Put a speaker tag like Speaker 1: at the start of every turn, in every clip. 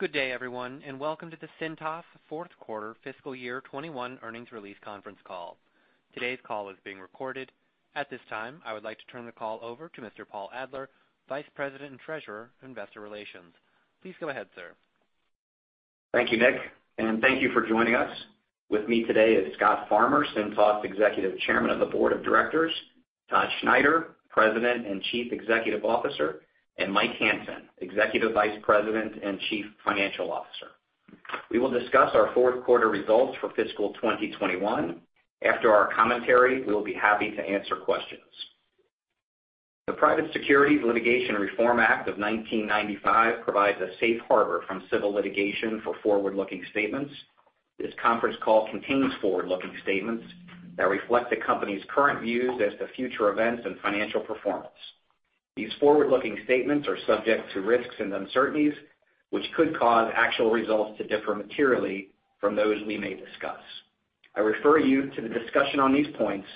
Speaker 1: Good day, everyone, welcome to the Cintas fourth quarter fiscal year 2021 earnings release conference call. Today's call is being recorded. At this time, I would like to turn the call over to Mr. Paul Adler, Vice President and Treasurer of Investor Relations. Please go ahead, sir.
Speaker 2: Thank you, Nick, and thank you for joining us. With me today is Scott Farmer, Cintas Executive Chairman of the Board of Directors, Todd Schneider, President and Chief Executive Officer, and Mike Hansen, Executive Vice President and Chief Financial Officer. We will discuss our fourth quarter results for fiscal 2021. After our commentary, we'll be happy to answer questions. The Private Securities Litigation Reform Act of 1995 provides a safe harbor from civil litigation for forward-looking statements. This conference call contains forward-looking statements that reflect the company's current views as to future events and financial performance. These forward-looking statements are subject to risks and uncertainties, which could cause actual results to differ materially from those we may discuss. I refer you to the discussion on these points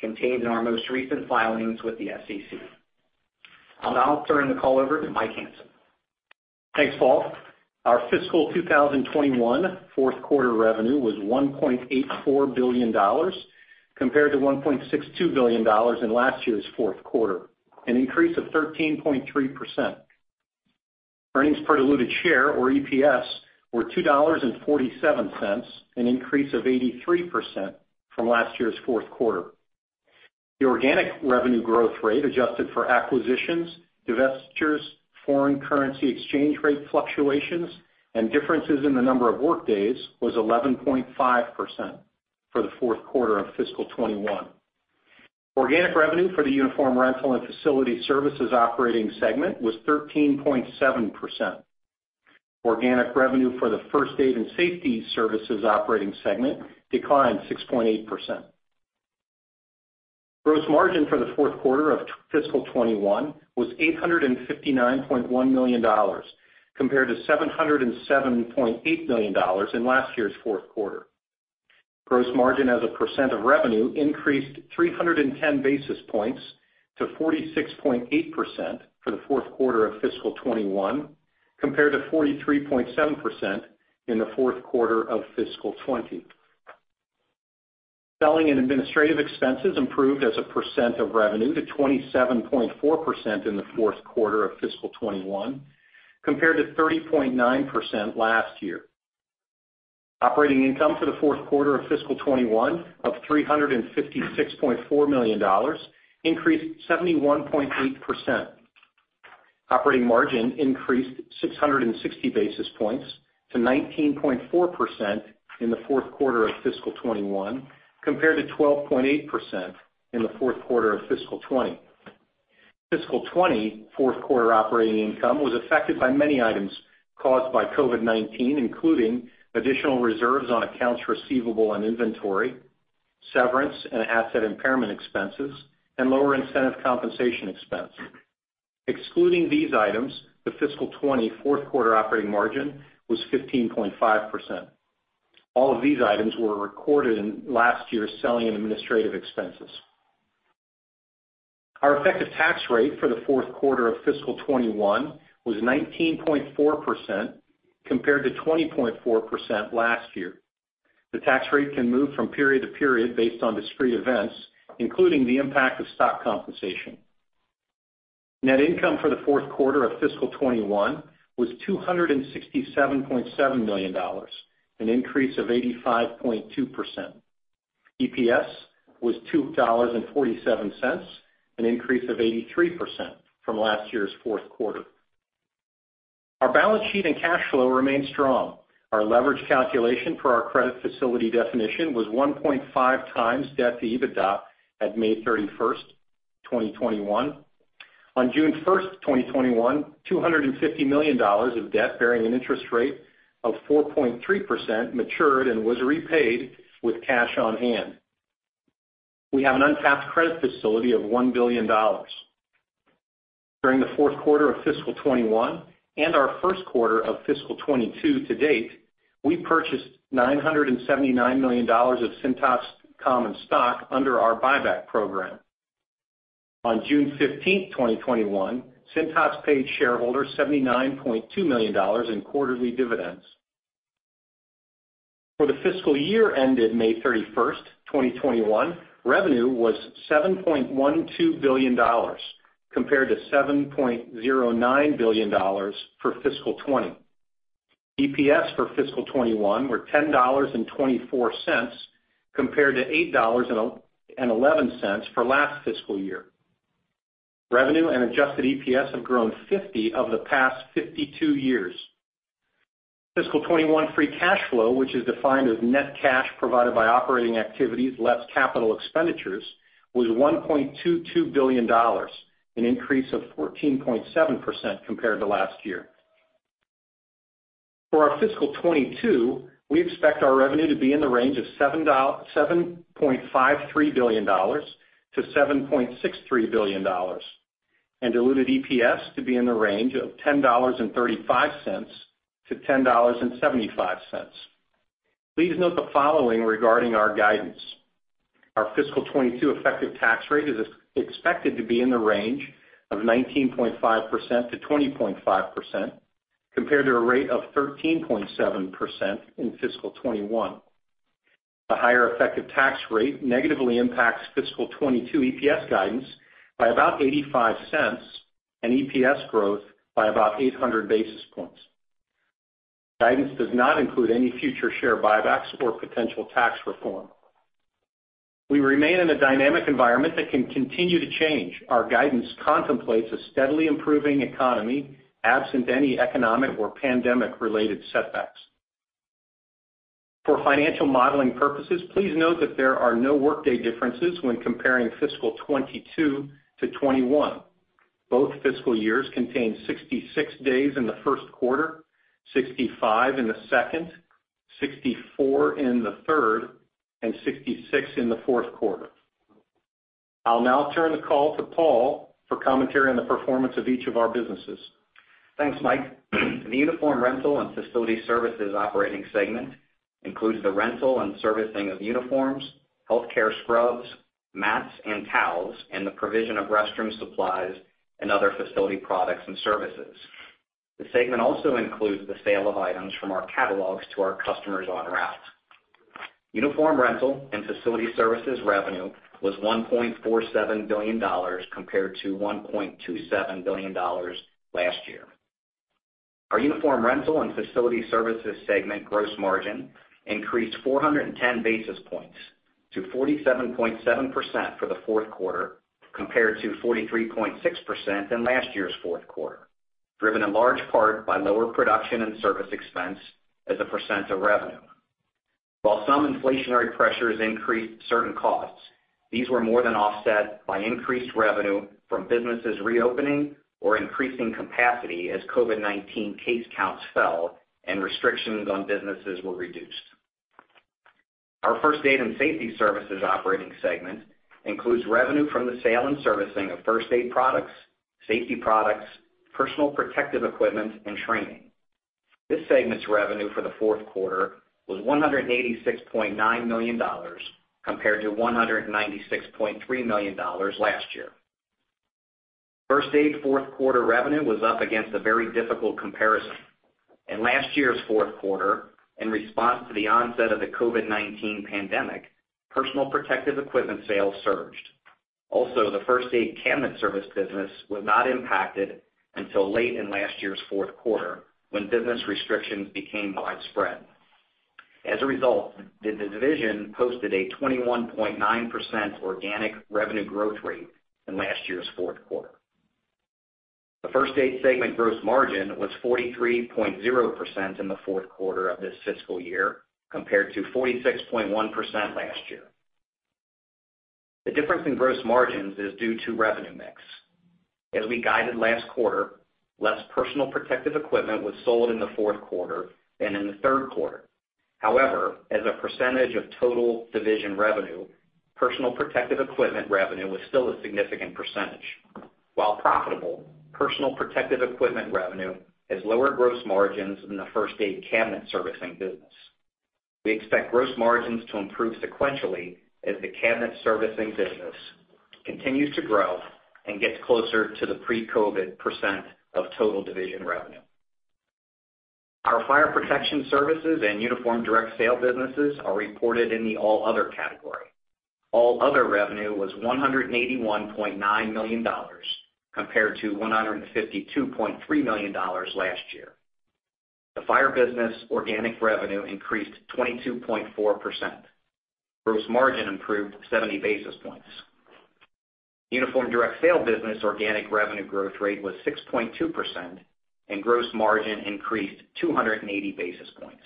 Speaker 2: contained in our most recent filings with the SEC. I'll now turn the call over to Mike Hansen.
Speaker 3: Thanks, Paul. Our fiscal 2021 fourth quarter revenue was $1.84 billion, compared to $1.62 billion in last year's fourth quarter, an increase of 13.3%. Earnings per diluted share, or EPS, were $2.47, an increase of 83% from last year's fourth quarter. The organic revenue growth rate, adjusted for acquisitions, divestitures, foreign currency exchange rate fluctuations, and differences in the number of workdays, was 11.5% for the fourth quarter of fiscal 2021. Organic revenue for the Uniform Rental and Facility Services operating segment was 13.7%. Organic revenue for the First Aid and Safety Services operating segment declined 6.8%. Gross margin for the fourth quarter of fiscal 2021 was $859.1 million, compared to $707.8 million in last year's fourth quarter. Gross margin as a percent of revenue increased 310 basis points to 46.8% for the fourth quarter of fiscal 2021, compared to 43.7% in the fourth quarter of fiscal 2020. Selling and administrative expenses improved as a percent of revenue to 27.4% in the fourth quarter of fiscal 2021, compared to 30.9% last year. Operating income for the fourth quarter of fiscal 2021 of $356.4 million increased 71.8%. Operating margin increased 660 basis points to 19.4% in the fourth quarter of fiscal 2021, compared to 12.8% in the fourth quarter of fiscal 2020. Fiscal 2020 fourth quarter operating income was affected by many items caused by COVID-19, including additional reserves on accounts receivable and inventory, severance and asset impairment expenses, and lower incentive compensation expense. Excluding these items, the fiscal 2020 fourth quarter operating margin was 15.5%. All of these items were recorded in last year's selling and administrative expenses. Our effective tax rate for the fourth quarter of fiscal 2021 was 19.4%, compared to 20.4% last year. The tax rate can move from period to period based on discrete events, including the impact of stock compensation. Net income for the fourth quarter of fiscal 2021 was $267.7 million, an increase of 85.2%. EPS was $2.47, an increase of 83% from last year's fourth quarter. Our balance sheet and cash flow remain strong. Our leverage calculation for our credit facility definition was 1.5x debt to EBITDA at May 31st, 2021. On June 1st, 2021, $250 million of debt bearing an interest rate of 4.3% matured and was repaid with cash on hand. We have an untapped credit facility of $1 billion. During the fourth quarter of fiscal 2021 and our first quarter of fiscal 2022 to date, we purchased $979 million of Cintas common stock under our buyback program. On June 15th, 2021, Cintas paid shareholders $79.2 million in quarterly dividends. For the fiscal year ended May 31st, 2021, revenue was $7.12 billion, compared to $7.09 billion for fiscal 2020. EPS for fiscal 2021 were $10.24, compared to $8.11 for last fiscal year. Revenue and adjusted EPS have grown 50 of the past 52 years. Fiscal 2021 free cash flow, which is defined as net cash provided by operating activities less capital expenditures, was $1.22 billion, an increase of 14.7% compared to last year. For our fiscal 2022, we expect our revenue to be in the range of $7.53 billion-$7.63 billion, and diluted EPS to be in the range of $10.35-$10.75. Please note the following regarding our guidance. Our fiscal 2022 effective tax rate is expected to be in the range of 19.5%-20.5%, compared to a rate of 13.7% in fiscal 2021. The higher effective tax rate negatively impacts fiscal 2022 EPS guidance by about $0.85 and EPS growth by about 800 basis points. Guidance does not include any future share buybacks or potential tax reform. We remain in a dynamic environment that can continue to change. Our guidance contemplates a steadily improving economy, absent any economic or pandemic-related setbacks. For financial modeling purposes, please note that there are no workday differences when comparing fiscal 2022-2021. Both fiscal years contain 66 days in the first quarter, 65 in the second, 64 in the third, and 66 in the fourth quarter. I'll now turn the call to Paul for commentary on the performance of each of our businesses.
Speaker 2: Thanks, Mike. The Uniform Rental and Facility Services operating segment includes the rental and servicing of uniforms, healthcare scrubs, mats, and towels, and the provision of restroom supplies and other facility products and services. The segment also includes the sale of items from our catalogs to our customers on route. Uniform Rental and Facility Services revenue was $1.47 billion compared to $1.27 billion last year. Our Uniform Rental and Facility Services segment gross margin increased 410 basis points to 47.7% for the fourth quarter, compared to 43.6% in last year's fourth quarter, driven in large part by lower production and service expense as a percent of revenue. While some inflationary pressures increased certain costs, these were more than offset by increased revenue from businesses reopening or increasing capacity as COVID-19 case counts fell and restrictions on businesses were reduced. Our First Aid and Safety Services operating segment includes revenue from the sale and servicing of first aid products, safety products, personal protective equipment, and training. This segment's revenue for the fourth quarter was $186.9 million, compared to $196.3 million last year. First Aid fourth quarter revenue was up against a very difficult comparison. In last year's fourth quarter, in response to the onset of the COVID-19 pandemic, personal protective equipment sales surged. Also, the First Aid cabinet service business was not impacted until late in last year's fourth quarter when business restrictions became widespread. As a result, the division posted a 21.9% organic revenue growth rate in last year's fourth quarter. The First Aid segment gross margin was 43.0% in the fourth quarter of this fiscal year, compared to 46.1% last year. The difference in gross margins is due to revenue mix. As we guided last quarter, less personal protective equipment was sold in the fourth quarter than in the third quarter. However, as a percentage of total division revenue, personal protective equipment revenue was still a significant percentage. While profitable, personal protective equipment revenue has lower gross margins than the First Aid cabinet servicing business. We expect gross margins to improve sequentially as the cabinet servicing business continues to grow and gets closer to the pre-COVID percent of total division revenue. Our Fire Protection Services and Uniform Direct Sales businesses are reported in the All Other category. All Other revenue was $181.9 million, compared to $152.3 million last year. The Fire business organic revenue increased 22.4%. Gross margin improved 70 basis points. Uniform Direct Sales business organic revenue growth rate was 6.2%, and gross margin increased 280 basis points.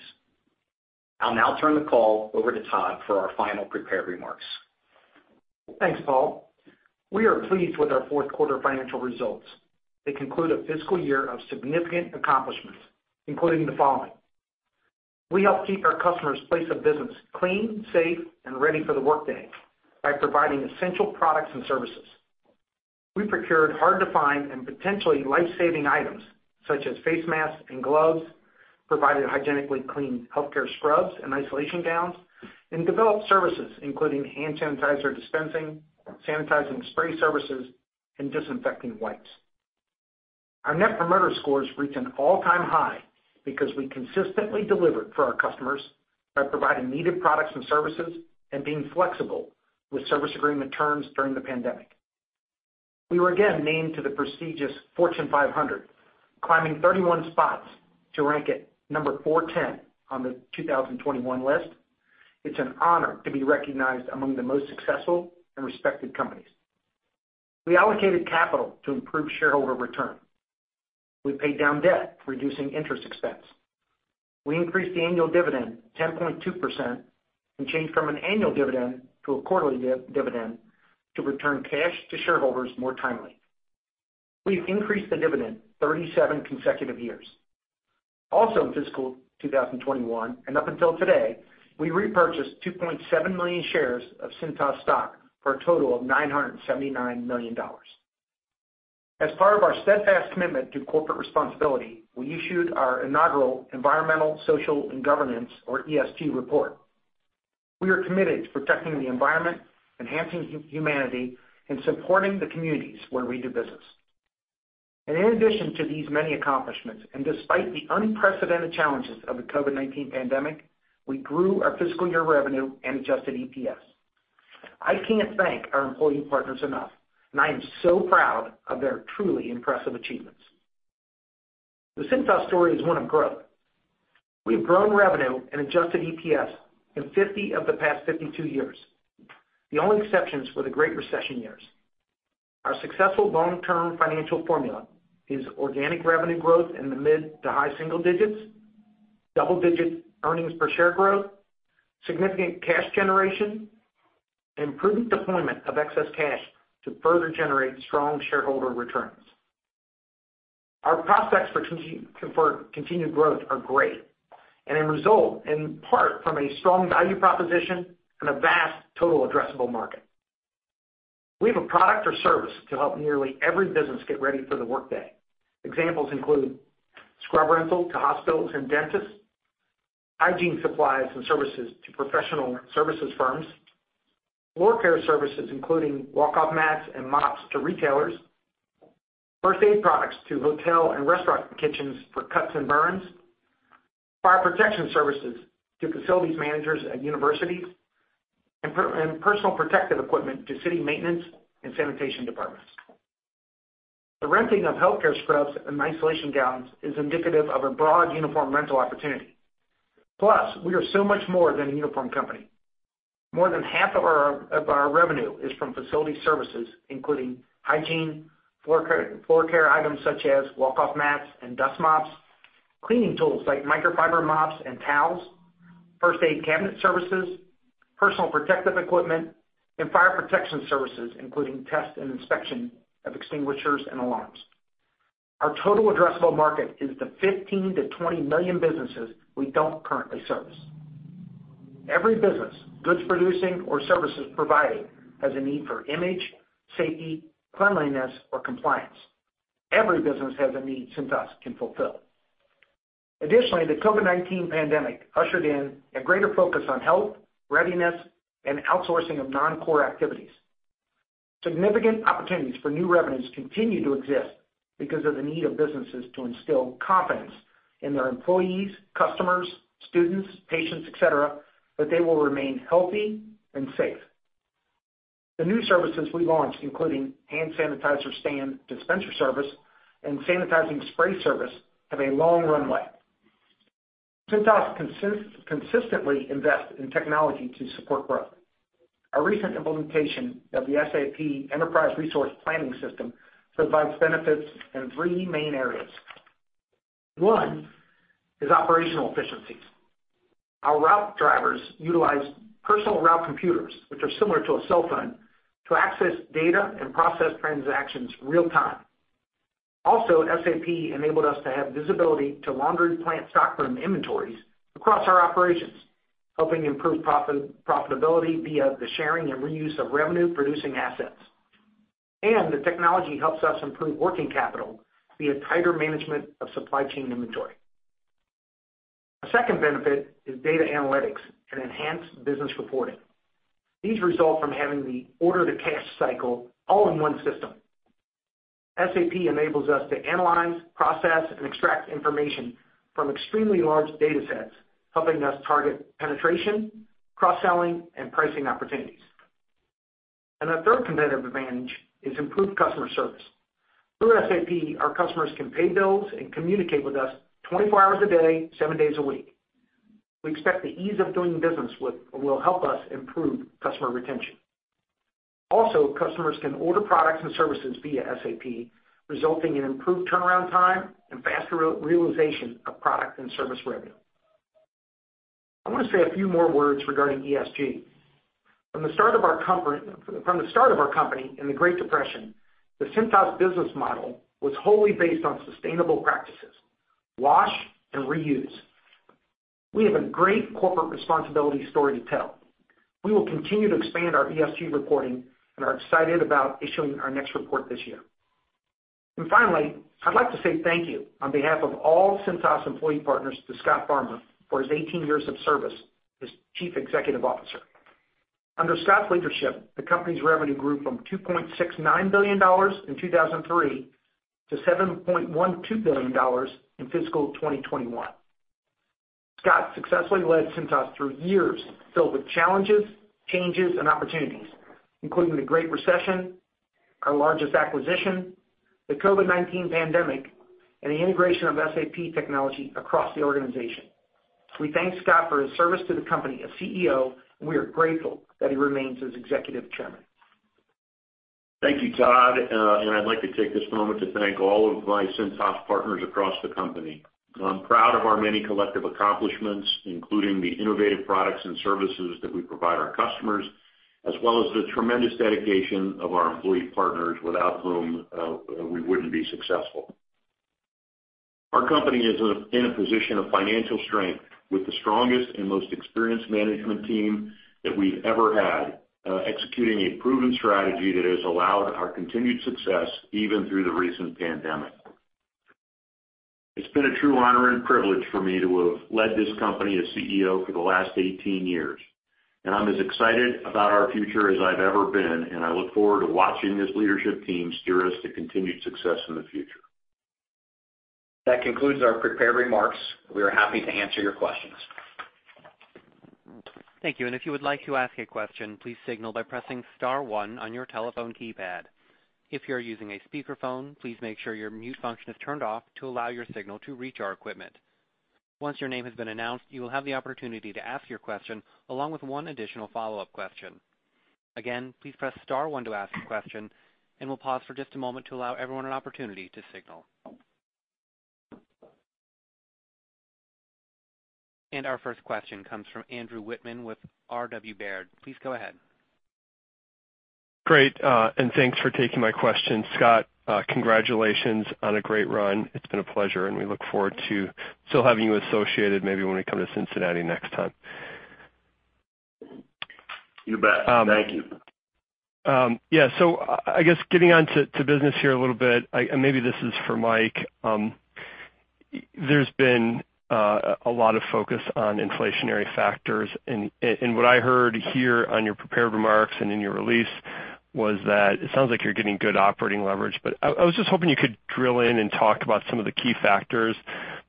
Speaker 2: I'll now turn the call over to Todd for our final prepared remarks.
Speaker 4: Thanks, Paul. We are pleased with our fourth quarter financial results that conclude a fiscal year of significant accomplishments, including the following. We helped keep our customers' place of business clean, safe, and ready for the workday by providing essential products and services. We procured hard-to-find and potentially life-saving items such as face masks and gloves, provided hygienically clean healthcare scrubs and isolation gowns, and developed services including hand sanitizer dispensing, sanitizing spray services, and disinfecting wipes. Our Net Promoter Scores reached an all-time high because we consistently delivered for our customers by providing needed products and services and being flexible with service agreement terms during the pandemic. We were again named to the prestigious Fortune 500, climbing 31 spots to rank at number 410 on the 2021 list. It's an honor to be recognized among the most successful and respected companies. We allocated capital to improve shareholder return. We paid down debt, reducing interest expense. We increased the annual dividend 10.2% and changed from an annual dividend to a quarterly dividend to return cash to shareholders more timely. We've increased the dividend 37 consecutive years. Also in fiscal 2021, and up until today, we repurchased 2.7 million shares of Cintas stock for a total of $979 million. As part of our steadfast commitment to corporate responsibility, we issued our inaugural environmental, social, and governance, or ESG report. We are committed to protecting the environment, enhancing humanity, and supporting the communities where we do business. In addition to these many accomplishments, and despite the unprecedented challenges of the COVID-19 pandemic, we grew our fiscal year revenue and adjusted EPS. I can't thank our employee partners enough, and I am so proud of their truly impressive achievements. The Cintas story is one of growth. We've grown revenue and adjusted EPS in 50 of the past 52 years. The only exceptions were the Great Recession years. Our successful long-term financial formula is organic revenue growth in the mid to high single digits, double-digit earnings per share growth, significant cash generation, and prudent deployment of excess cash to further generate strong shareholder returns. Our prospects for continued growth are great, and result in part from a strong value proposition and a vast total addressable market. We have a product or service to help nearly every business get ready for the workday. Examples include scrub rental to hospitals and dentists, hygiene supplies and services to professional services firms, floor care services, including walk-off mats and mops to retailers, First Aid products to hotel and restaurant kitchens for cuts and burns, Fire Protection Services to facilities managers and universities, and personal protective equipment to city maintenance and sanitation departments. The renting of healthcare scrubs and isolation gowns is indicative of a broad uniform rental opportunity. Plus, we are so much more than a uniform company. More than half of our revenue is from facility services, including hygiene, floor care items such as walk-off mats and dust mops, cleaning tools like microfiber mops and towels, first aid cabinet services, personal protective equipment, and Fire Protection Services, including test and inspection of extinguishers and alarms. Our total addressable market is the 15 million-20 million businesses we don't currently service. Every business, goods producing or services providing, has a need for image, safety, cleanliness, or compliance. Every business has a need Cintas can fulfill. Additionally, the COVID-19 pandemic ushered in a greater focus on health, readiness, and outsourcing of non-core activities. Significant opportunities for new revenues continue to exist because of the need of businesses to instill confidence in their employees, customers, students, patients, et cetera, that they will remain healthy and safe. The new services we launched, including hand sanitizer stand dispenser service and sanitizing spray service, have a long runway. Cintas consistently invests in technology to support growth. Our recent implementation of the SAP enterprise resource planning system provides benefits in three main areas. One is operational efficiencies. Our route drivers utilize personal route computers, which are similar to a cellphone, to access data and process transactions in real time. SAP enabled us to have visibility to laundry plant stockroom inventories across our operations, helping improve profitability via the sharing and reuse of revenue-producing assets. The technology helps us improve working capital via tighter management of supply chain inventory. A second benefit is data analytics and enhanced business reporting. These result from having the order-to-cash cycle all in one system. SAP enables us to analyze, process, and extract information from extremely large data sets, helping us target penetration, cross-selling, and pricing opportunities. A third competitive advantage is improved customer service. Through SAP, our customers can pay bills and communicate with us 24 hours a day, seven days a week. We expect the ease of doing business will help us improve customer retention. Also, customers can order products and services via SAP, resulting in improved turnaround time and faster realization of product and service revenue. I want to say a few more words regarding ESG. From the start of our company in the Great Depression, the Cintas business model was wholly based on sustainable practices, wash and reuse. We have a great corporate responsibility story to tell. We will continue to expand our ESG reporting and are excited about issuing our next report this year. Finally, I'd like to say thank you on behalf of all Cintas employee partners to Scott Farmer for his 18 years of service as Chief Executive Officer. Under Scott's leadership, the company's revenue grew from $2.69 billion in 2003 to $7.12 billion in fiscal 2021. Scott successfully led Cintas through years filled with challenges, changes, and opportunities, including the Great Recession, our largest acquisition, the COVID-19 pandemic, and the integration of SAP technology across the organization. We thank Scott for his service to the company as CEO, and we are grateful that he remains as Executive Chairman.
Speaker 5: Thank you, Todd. I'd like to take this moment to thank all of my Cintas partners across the company. I'm proud of our many collective accomplishments, including the innovative products and services that we provide our customers, as well as the tremendous dedication of our employee partners, without whom we wouldn't be successful. Our company is in a position of financial strength with the strongest and most experienced management team that we've ever had, executing a proven strategy that has allowed our continued success even through the recent pandemic. It's been a true honor and privilege for me to have led this company as CEO for the last 18 years, and I'm as excited about our future as I've ever been, and I look forward to watching this leadership team steer us to continued success in the future. That concludes our prepared remarks. We are happy to answer your questions.
Speaker 1: Thank you. If you would like to ask a question, please signal by pressing star one on your telephone keypad. If you're using a speakerphone, please make sure your mute function is turned off to allow your signal to reach our equipment. Once your name has been announced, you will have the opportunity to ask your question along with 1 additional follow-up question. Again, please press star one to ask a question. We'll pause for just a moment to allow everyone an opportunity to signal. Our first question comes from Andrew Wittmann with R.W. Baird. Please go ahead.
Speaker 6: Great, thanks for taking my question. Scott, congratulations on a great run. It's been a pleasure, and we look forward to still having you associated maybe when we come to Cincinnati next time.
Speaker 5: You bet. Thank you.
Speaker 6: Yeah. I guess getting onto business here a little bit, and maybe this is for Mike. There's been a lot of focus on inflationary factors, and what I heard here on your prepared remarks and in your release was that it sounds like you're getting good operating leverage. I was just hoping you could drill in and talk about some of the key factors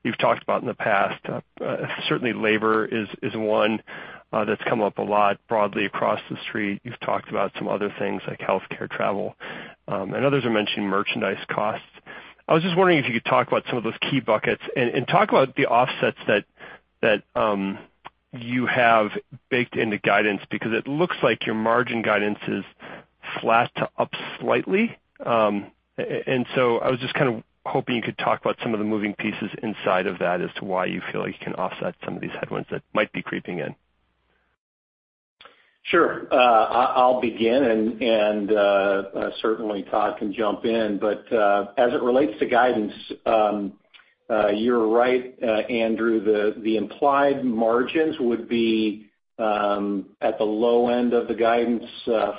Speaker 6: you've talked about in the past. Certainly, labor is one that's come up a lot broadly across the street. You've talked about some other things like healthcare, travel, and others have mentioned merchandise costs. I was just wondering if you could talk about some of those key buckets and talk about the offsets that you have baked into guidance, because it looks like your margin guidance is flat to up slightly. I was just kind of hoping you could talk about some of the moving pieces inside of that as to why you feel like you can offset some of these headwinds that might be creeping in.
Speaker 3: Sure. I'll begin, and certainly Todd can jump in. As it relates to guidance, you're right, Andrew, the implied margins would be at the low end of the guidance,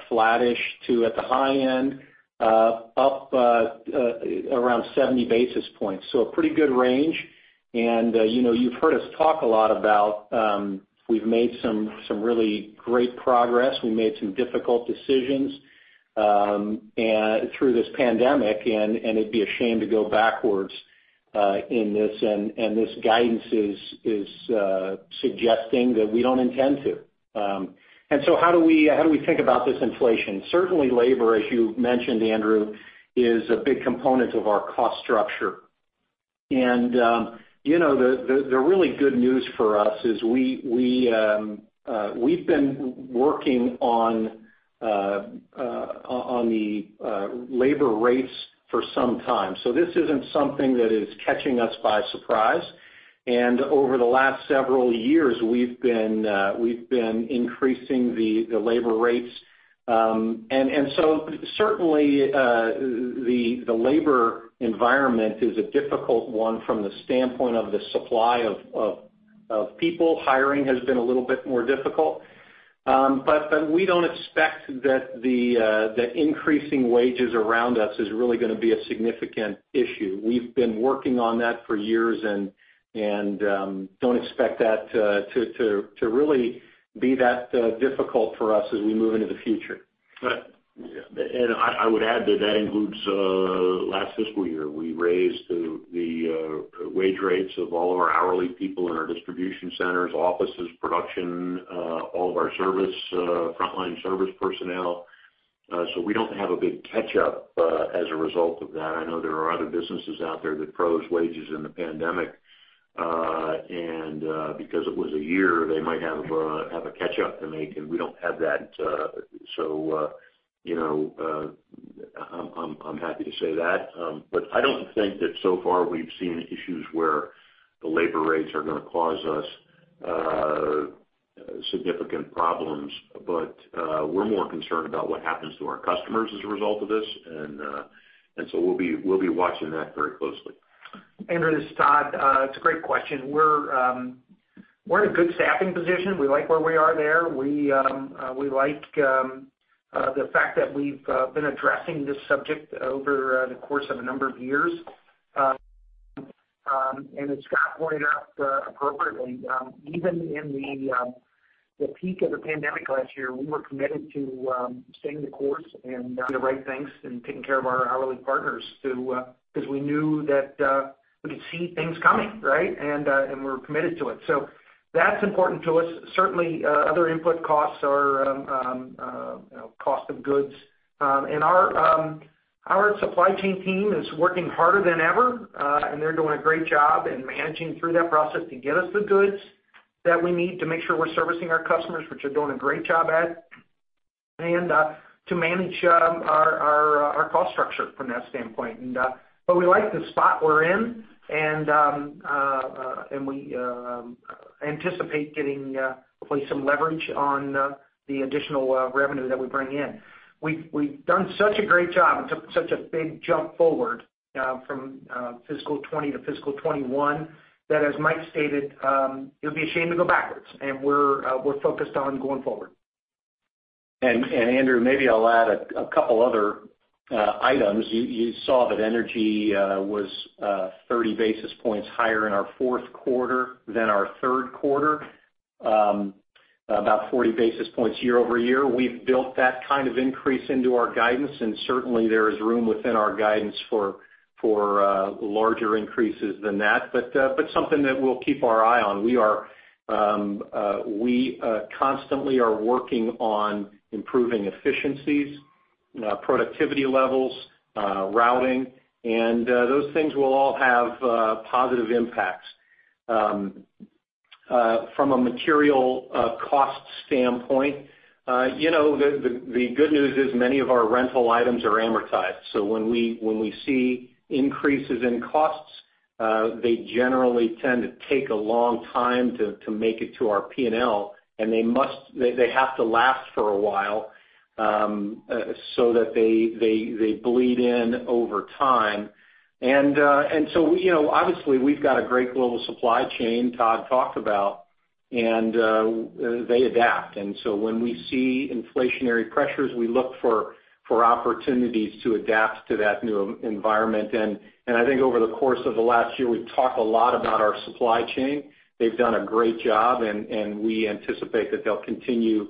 Speaker 3: flattish to at the high end, up around 70 basis points. A pretty good range. You've heard us talk a lot about we've made some really great progress. We made some difficult decisions through this pandemic, and it'd be a shame to go backwards in this. This guidance is suggesting that we don't intend to. How do we think about this inflation? Certainly, labor, as you've mentioned, Andrew, is a big component of our cost structure. The really good news for us is we've been working on the labor rates for some time. This isn't something that is catching us by surprise. Over the last several years, we've been increasing the labor rates. Certainly, the labor environment is a difficult one from the standpoint of the supply of people. Hiring has been a little bit more difficult. We don't expect that the increasing wages around us is really going to be a significant issue. We've been working on that for years and don't expect that to really be that difficult for us as we move into the future.
Speaker 5: I would add to that, includes last fiscal year. We raised the wage rates of all of our hourly people in our distribution centers, offices, production, all of our frontline service personnel. We don't have a big catch-up as a result of that. I know there are other businesses out there that froze wages in the pandemic, and because it was a year, they might have a catch-up to make, and we don't have that. I'm happy to say that. I don't think that so far we've seen issues where the labor rates are going to cause us significant problems. We're more concerned about what happens to our customers as a result of this, and so we'll be watching that very closely.
Speaker 4: Andrew, it's Todd. It's a great question. We're in a good staffing position. We like where we are there. We like the fact that we've been addressing this subject over the course of a number of years. As Scott pointed out appropriately, even in the peak of the pandemic last year, we were committed to staying the course and doing the right things and taking care of our hourly partners because we knew that we could see things coming, right? We're committed to it. That's important to us. Certainly, other input costs are cost of goods. Our supply chain team is working harder than ever, and they're doing a great job in managing through that process to get us the goods that we need to make sure we're servicing our customers, which we're doing a great job at, and to manage our cost structure from that standpoint. We like the spot we're in. We anticipate getting hopefully some leverage on the additional revenue that we bring in. We've done such a great job and took such a big jump forward from fiscal 2020 to fiscal 2021, that, as Mike stated, it'll be a shame to go backwards, and we're focused on going forward.
Speaker 3: Andrew, maybe I'll add a couple other items. You saw that energy was 30 basis points higher in our fourth quarter than our third quarter, about 40 basis points year-over-year. We've built that kind of increase into our guidance, and certainly there is room within our guidance for larger increases than that. Something that we'll keep our eye on. We constantly are working on improving efficiencies, productivity levels, routing, and those things will all have positive impacts. From a material cost standpoint, the good news is many of our rental items are amortized. When we see increases in costs, they generally tend to take a long time to make it to our P&L. They have to last for a while, so that they bleed in over time. Obviously we've got a great global supply chain Todd talked about, and they adapt. When we see inflationary pressures, we look for opportunities to adapt to that new environment. I think over the course of the last year, we've talked a lot about our supply chain. They've done a great job, and we anticipate that they'll continue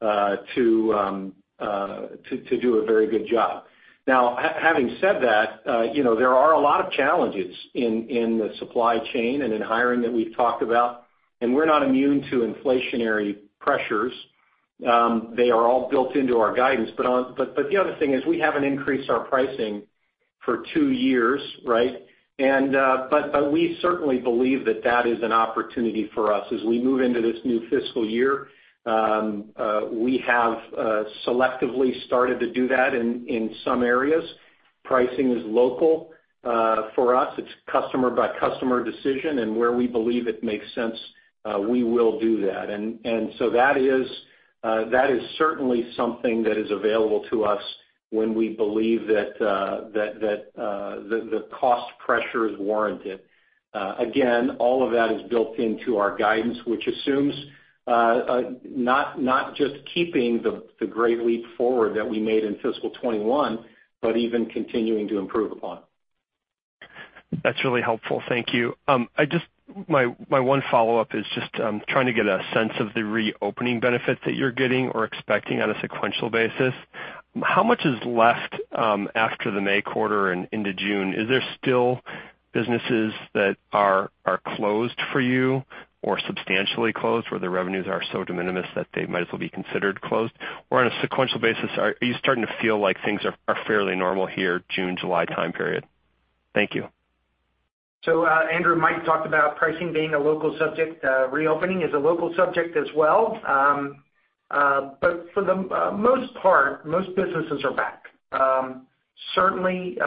Speaker 3: to do a very good job. Now, having said that, there are a lot of challenges in the supply chain and in hiring that we've talked about, and we're not immune to inflationary pressures. They are all built into our guidance. The other thing is we haven't increased our pricing for two years, right? We certainly believe that that is an opportunity for us as we move into this new fiscal year. We have selectively started to do that in some areas. Pricing is local. For us, it's customer-by-customer decision, and where we believe it makes sense, we will do that. That is certainly something that is available to us when we believe that the cost pressure is warranted. Again, all of that is built into our guidance, which assumes not just keeping the great leap forward that we made in fiscal 2021, but even continuing to improve upon.
Speaker 6: That's really helpful. Thank you. My one follow-up is just trying to get a sense of the reopening benefits that you're getting or expecting on a sequential basis. How much is left after the May quarter and into June? Is there still businesses that are closed for you or substantially closed, where the revenues are so de minimis that they might as well be considered closed? On a sequential basis, are you starting to feel like things are fairly normal here, June, July time period? Thank you.
Speaker 4: Andrew, Mike talked about pricing being a local subject. Reopening is a local subject as well. For the most part, most businesses are back. Certainly,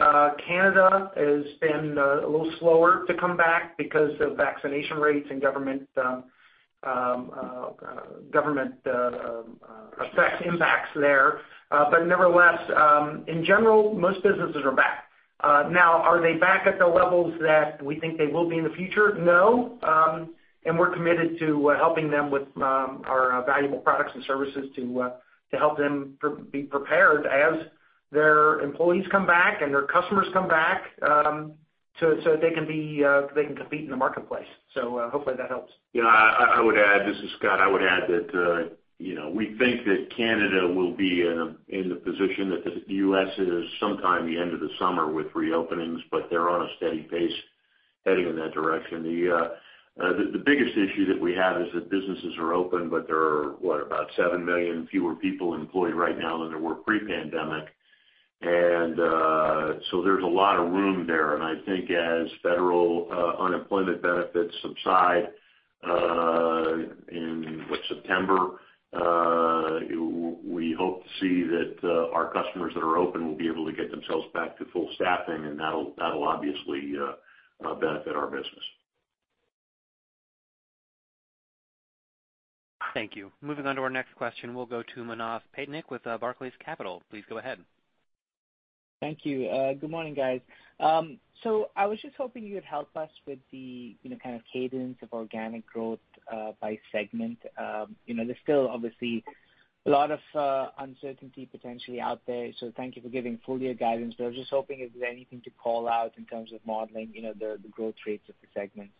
Speaker 4: Canada has been a little slower to come back because of vaccination rates and government impacts there. Nevertheless, in general, most businesses are back. Are they back at the levels that we think they will be in the future? No. We're committed to helping them with our valuable products and services to help them be prepared as their employees come back and their customers come back, so they can compete in the marketplace. Hopefully that helps.
Speaker 5: Yeah. This is Scott. I would add that we think that Canada will be in the position that the U.S. is sometime the end of the summer with reopenings, but they're on a steady pace heading in that direction. The biggest issue that we have is that businesses are open, but there are, what, about 7 million fewer people employed right now than there were pre-pandemic. There's a lot of room there. I think as federal unemployment benefits subside in, what, September, we hope to see that our customers that are open will be able to get themselves back to full staffing, and that'll obviously benefit our business.
Speaker 1: Thank you. Moving on to our next question, we'll go to Manav Patnaik with Barclays Capital. Please go ahead.
Speaker 7: Thank you. Good morning, guys. I was just hoping you would help us with the kind of cadence of organic growth by segment. There's still obviously a lot of uncertainty potentially out there, so thank you for giving full year guidance. I was just hoping if there's anything to call out in terms of modeling the growth rates of the segments.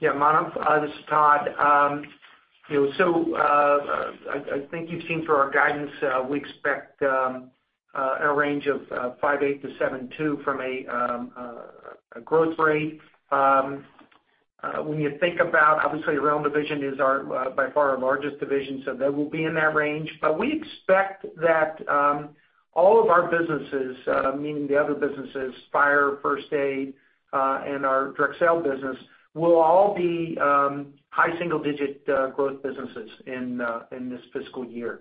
Speaker 4: Yeah, Manav, this is Todd. I thank you, team, for our guidance. We expect a range of 5.8%-7.2% from a growth rate. When you think about, obviously, Rental division is by far our largest division, that will be in that range. We expect that all of our businesses, meaning the other businesses, Fire, First Aid, and our Direct Sale business, will all be high single-digit growth businesses in this fiscal year.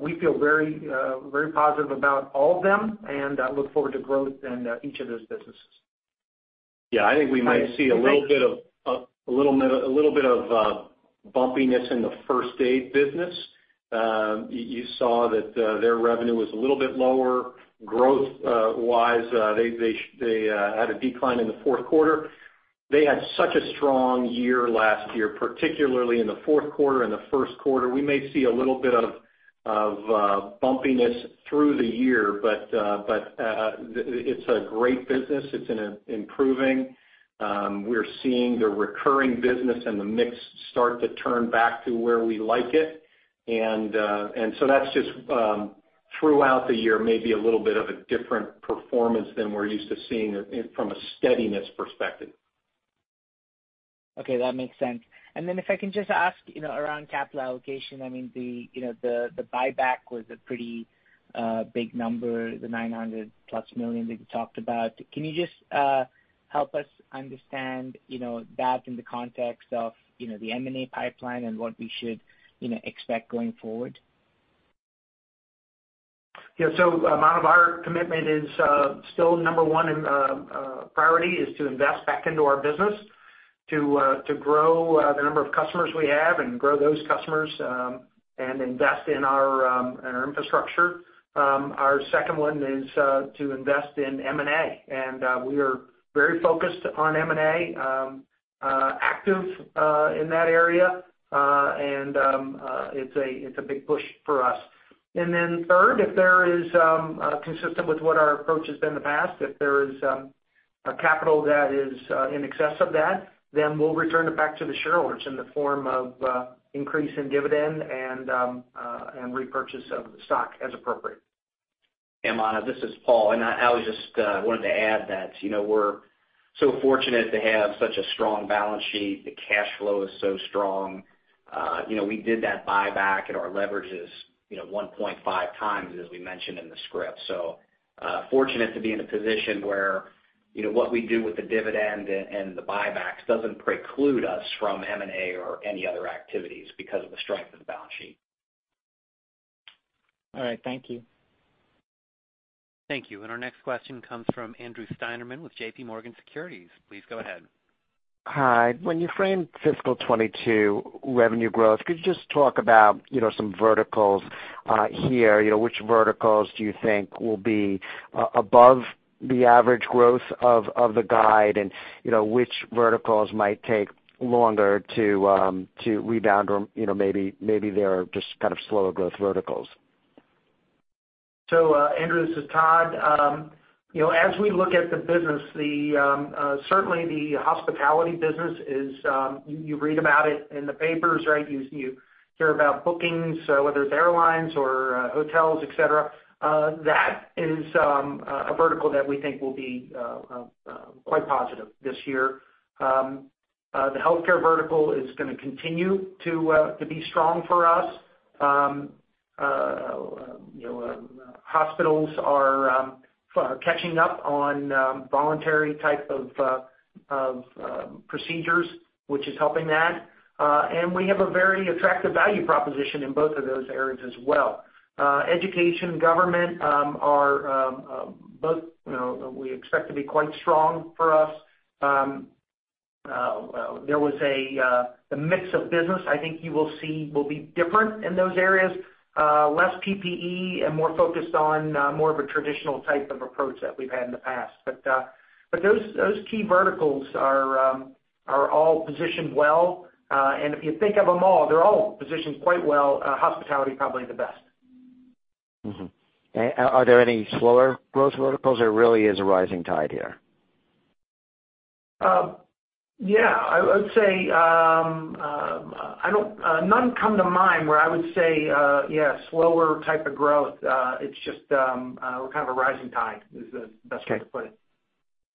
Speaker 4: We feel very positive about all of them and look forward to growth in each of those businesses.
Speaker 3: Yeah, I think we might see a little bit of bumpiness in the First Aid business. You saw that their revenue was a little bit lower growth-wise. They had a decline in the fourth quarter. They had such a strong year last year, particularly in the fourth quarter and the first quarter. We may see a little bit of bumpiness through the year, but it's a great business. It's improving. We're seeing the recurring business and the mix start to turn back to where we like it. That's just throughout the year, maybe a little bit of a different performance than we're used to seeing from a steadiness perspective.
Speaker 7: Okay, that makes sense. If I can just ask around capital allocation, the buyback was a pretty big number, the $900+ million that you talked about. Can you just help us understand that in the context of the M&A pipeline and what we should expect going forward?
Speaker 4: A lot of our commitment is still number one priority is to invest back into our business, to grow the number of customers we have and grow those customers, and invest in our infrastructure. Our second one is to invest in M&A. We are very focused on M&A, active in that area, and it's a big push for us. Third, consistent with what our approach has been in the past, if there is capital that is in excess of that, we'll return it back to the shareholders in the form of increase in dividend and repurchase of the stock as appropriate.
Speaker 2: Manav, this is Paul Adler. I just wanted to add that we're so fortunate to have such a strong balance sheet. The cash flow is so strong. We did that buyback. Our leverage is 1.5x, as we mentioned in the script. Fortunate to be in a position where what we do with the dividend and the buybacks doesn't preclude us from M&A or any other activities because of the strength of the balance sheet.
Speaker 7: All right. Thank you.
Speaker 1: Thank you. Our next question comes from Andrew Steinerman with JPMorgan Securities. Please go ahead.
Speaker 8: Hi. When you frame fiscal 2022 revenue growth, could you just talk about some verticals here? Which verticals do you think will be above the average growth of the guide, and which verticals might take longer to rebound, or maybe they're just kind of slower growth verticals?
Speaker 4: Andrew, this is Todd. As we look at the business, certainly the hospitality business is, you read about it in the papers, right? You hear about bookings, whether it's airlines or hotels, et cetera. That is a vertical that we think will be quite positive this year. The healthcare vertical is going to continue to be strong for us. Hospitals are catching up on voluntary type of procedures, which is helping that. We have a very attractive value proposition in both of those areas as well. Education government are both we expect to be quite strong for us. The mix of business, I think you will see will be different in those areas, less PPE and more focused on more of a traditional type of approach that we've had in the past. Those key verticals are all positioned well. If you think of them all, they're all positioned quite well. Hospitality, probably the best.
Speaker 8: Mm-hmm. Are there any slower growth verticals or really is a rising tide here?
Speaker 4: Yeah. Let's say, none come to mind where I would say, yeah, slower type of growth. It's just kind of a rising tide is the best way to put it.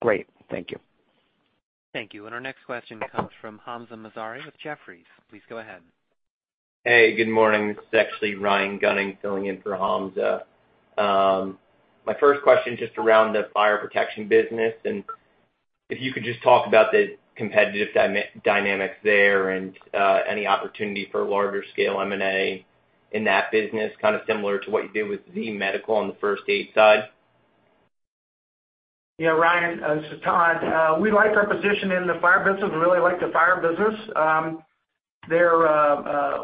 Speaker 8: Great. Thank you.
Speaker 1: Thank you. Our next question comes from Hamzah Mazari with Jefferies. Please go ahead.
Speaker 9: Hey, good morning. This is actually Ryan Gunning filling in for Hamzah. My first question, just around the Fire Protection Services, and if you could just talk about the competitive dynamic there and any opportunity for larger scale M&A in that business, kind of similar to what you did with the medical and the First Aid and Safety Services side.
Speaker 4: Yeah, Ryan, this is Todd. We like our position in the fire business. We really like the fire business.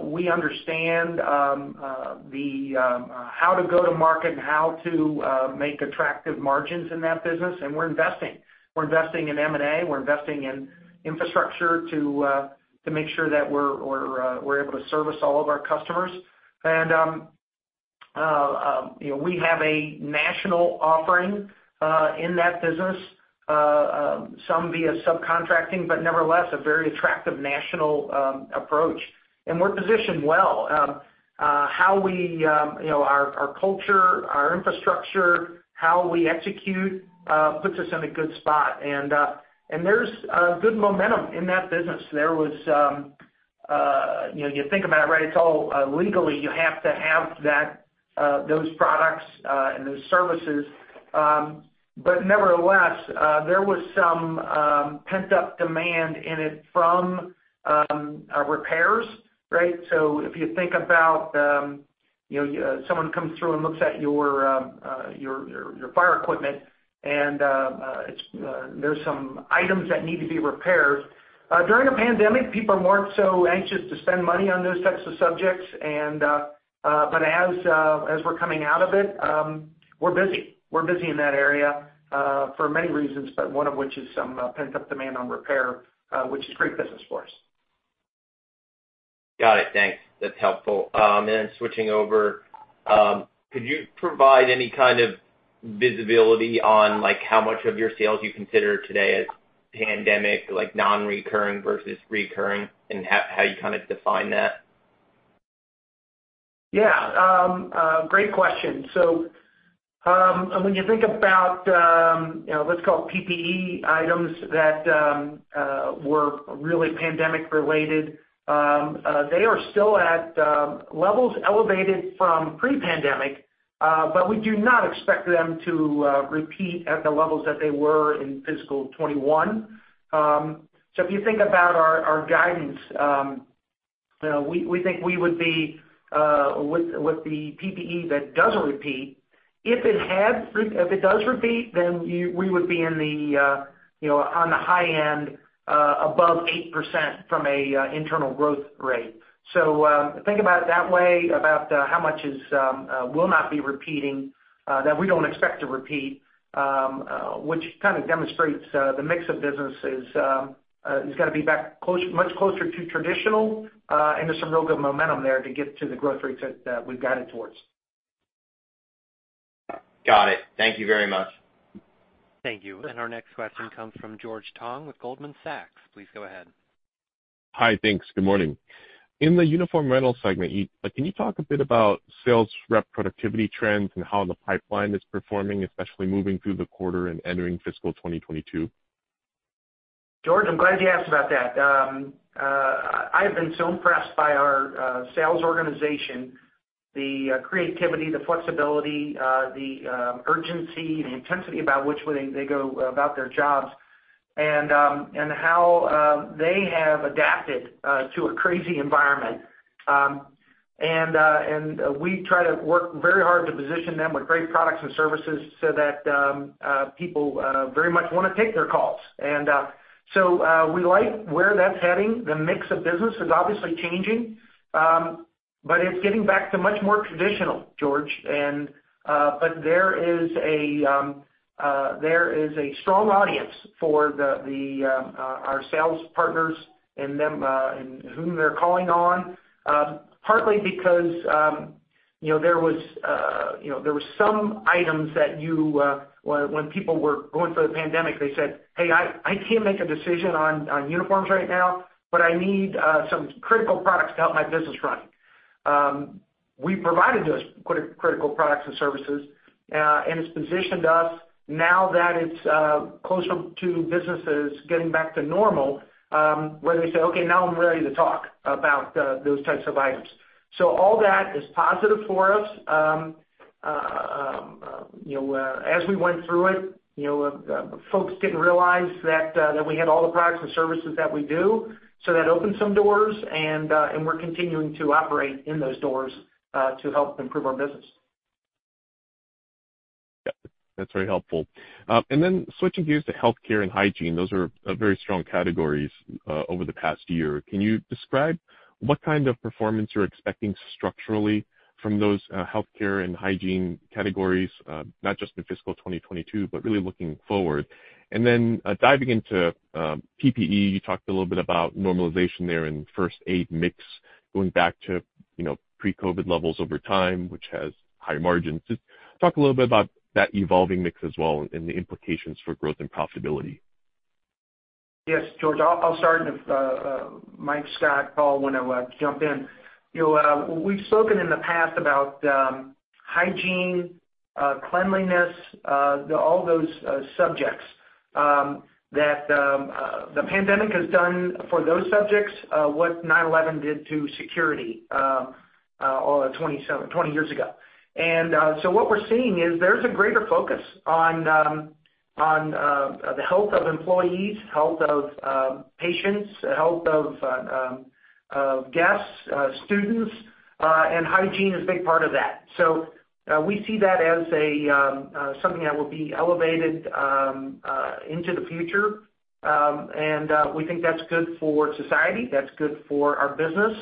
Speaker 4: We understand how to go to market and how to make attractive margins in that business, and we're investing. We're investing in M&A. We're investing in infrastructure to make sure that we're able to service all of our customers. We have a national offering in that business, some via subcontracting, but nevertheless a very attractive national approach. We're positioned well. Our culture, our infrastructure, how we execute puts us in a good spot. There's good momentum in that business. You think about it, right? It's all legally, you have to have those products and those services. Nevertheless, there was some pent-up demand in it from repairs, right? Someone comes through and looks at your fire equipment, and there's some items that need to be repaired. During a pandemic, people weren't so anxious to spend money on those types of subjects. As we're coming out of it, we're busy. We're busy in that area for many reasons, but one of which is some pent-up demand on repair, which is great business for us.
Speaker 9: Got it. Thanks. That's helpful. Switching over, could you provide any kind of visibility on how much of your sales you consider today as pandemic, like non-recurring versus recurring, and how you define that?
Speaker 4: Yeah. Great question. When you think about, let's call it PPE items that were really pandemic-related, they are still at levels elevated from pre-pandemic. We do not expect them to repeat at the levels that they were in fiscal 2021. If you think about our guidance, with the PPE that does repeat, if it does repeat, we would be on the high end above 8% from an internal growth rate. Think about it that way, about how much will not be repeating, that we don't expect to repeat, which kind of demonstrates the mix of businesses is going to be much closer to traditional, and there's some real good momentum there to get to the growth rate that we've guided towards.
Speaker 9: Got it. Thank you very much.
Speaker 1: Thank you. Our next question comes from George Tong with Goldman Sachs. Please go ahead.
Speaker 10: Hi. Thanks. Good morning. In the Uniform Rental segment, can you talk a bit about sales rep productivity trends and how the pipeline is performing, especially moving through the quarter and entering fiscal 2022?
Speaker 4: George, I'm glad you asked about that. I've been so impressed by our sales organization, the creativity, the flexibility, the urgency, the intensity by which they go about their jobs, and how they have adapted to a crazy environment. We try to work very hard to position them with great products and services so that people very much want to take their calls. We like where that's heading. The mix of business is obviously changing, but it's getting back to much more traditional, George. There is a strong audience for our sales partners and whom they're calling on. Partly because there was some items that when people were going through the pandemic, they said, "Hey, I can't make a decision on uniforms right now, but I need some critical products to help my business run." We provided those critical products and services, and it's positioned us now that it's closer to businesses getting back to normal, where they say, "Okay, now I'm ready to talk about those types of items." All that is positive for us. As we went through it, folks didn't realize that we had all the products and services that we do, so that opened some doors, and we're continuing to operate in those doors to help improve our business.
Speaker 10: Yeah, that's very helpful. Then switching gears to healthcare and hygiene, those are very strong categories over the past year. Can you describe what kind of performance you're expecting structurally from those healthcare and hygiene categories, not just in fiscal 2022, but really looking forward? Then diving into PPE, you talked a little bit about normalization there in first aid mix going back to pre-COVID levels over time, which has high margins. Just talk a little bit about that evolving mix as well and the implications for growth and profitability.
Speaker 4: Yes, George. I'll start and if Mike, Scott, Paul want to jump in. We've spoken in the past about hygiene, cleanliness, all those subjects. That the pandemic has done for those subjects what 9/11 did to security 20 years ago. What we're seeing is there's a greater focus on the health of employees, health of patients, the health of guests, students, and hygiene is a big part of that. We see that as something that will be elevated into the future, and we think that's good for society, that's good for our business,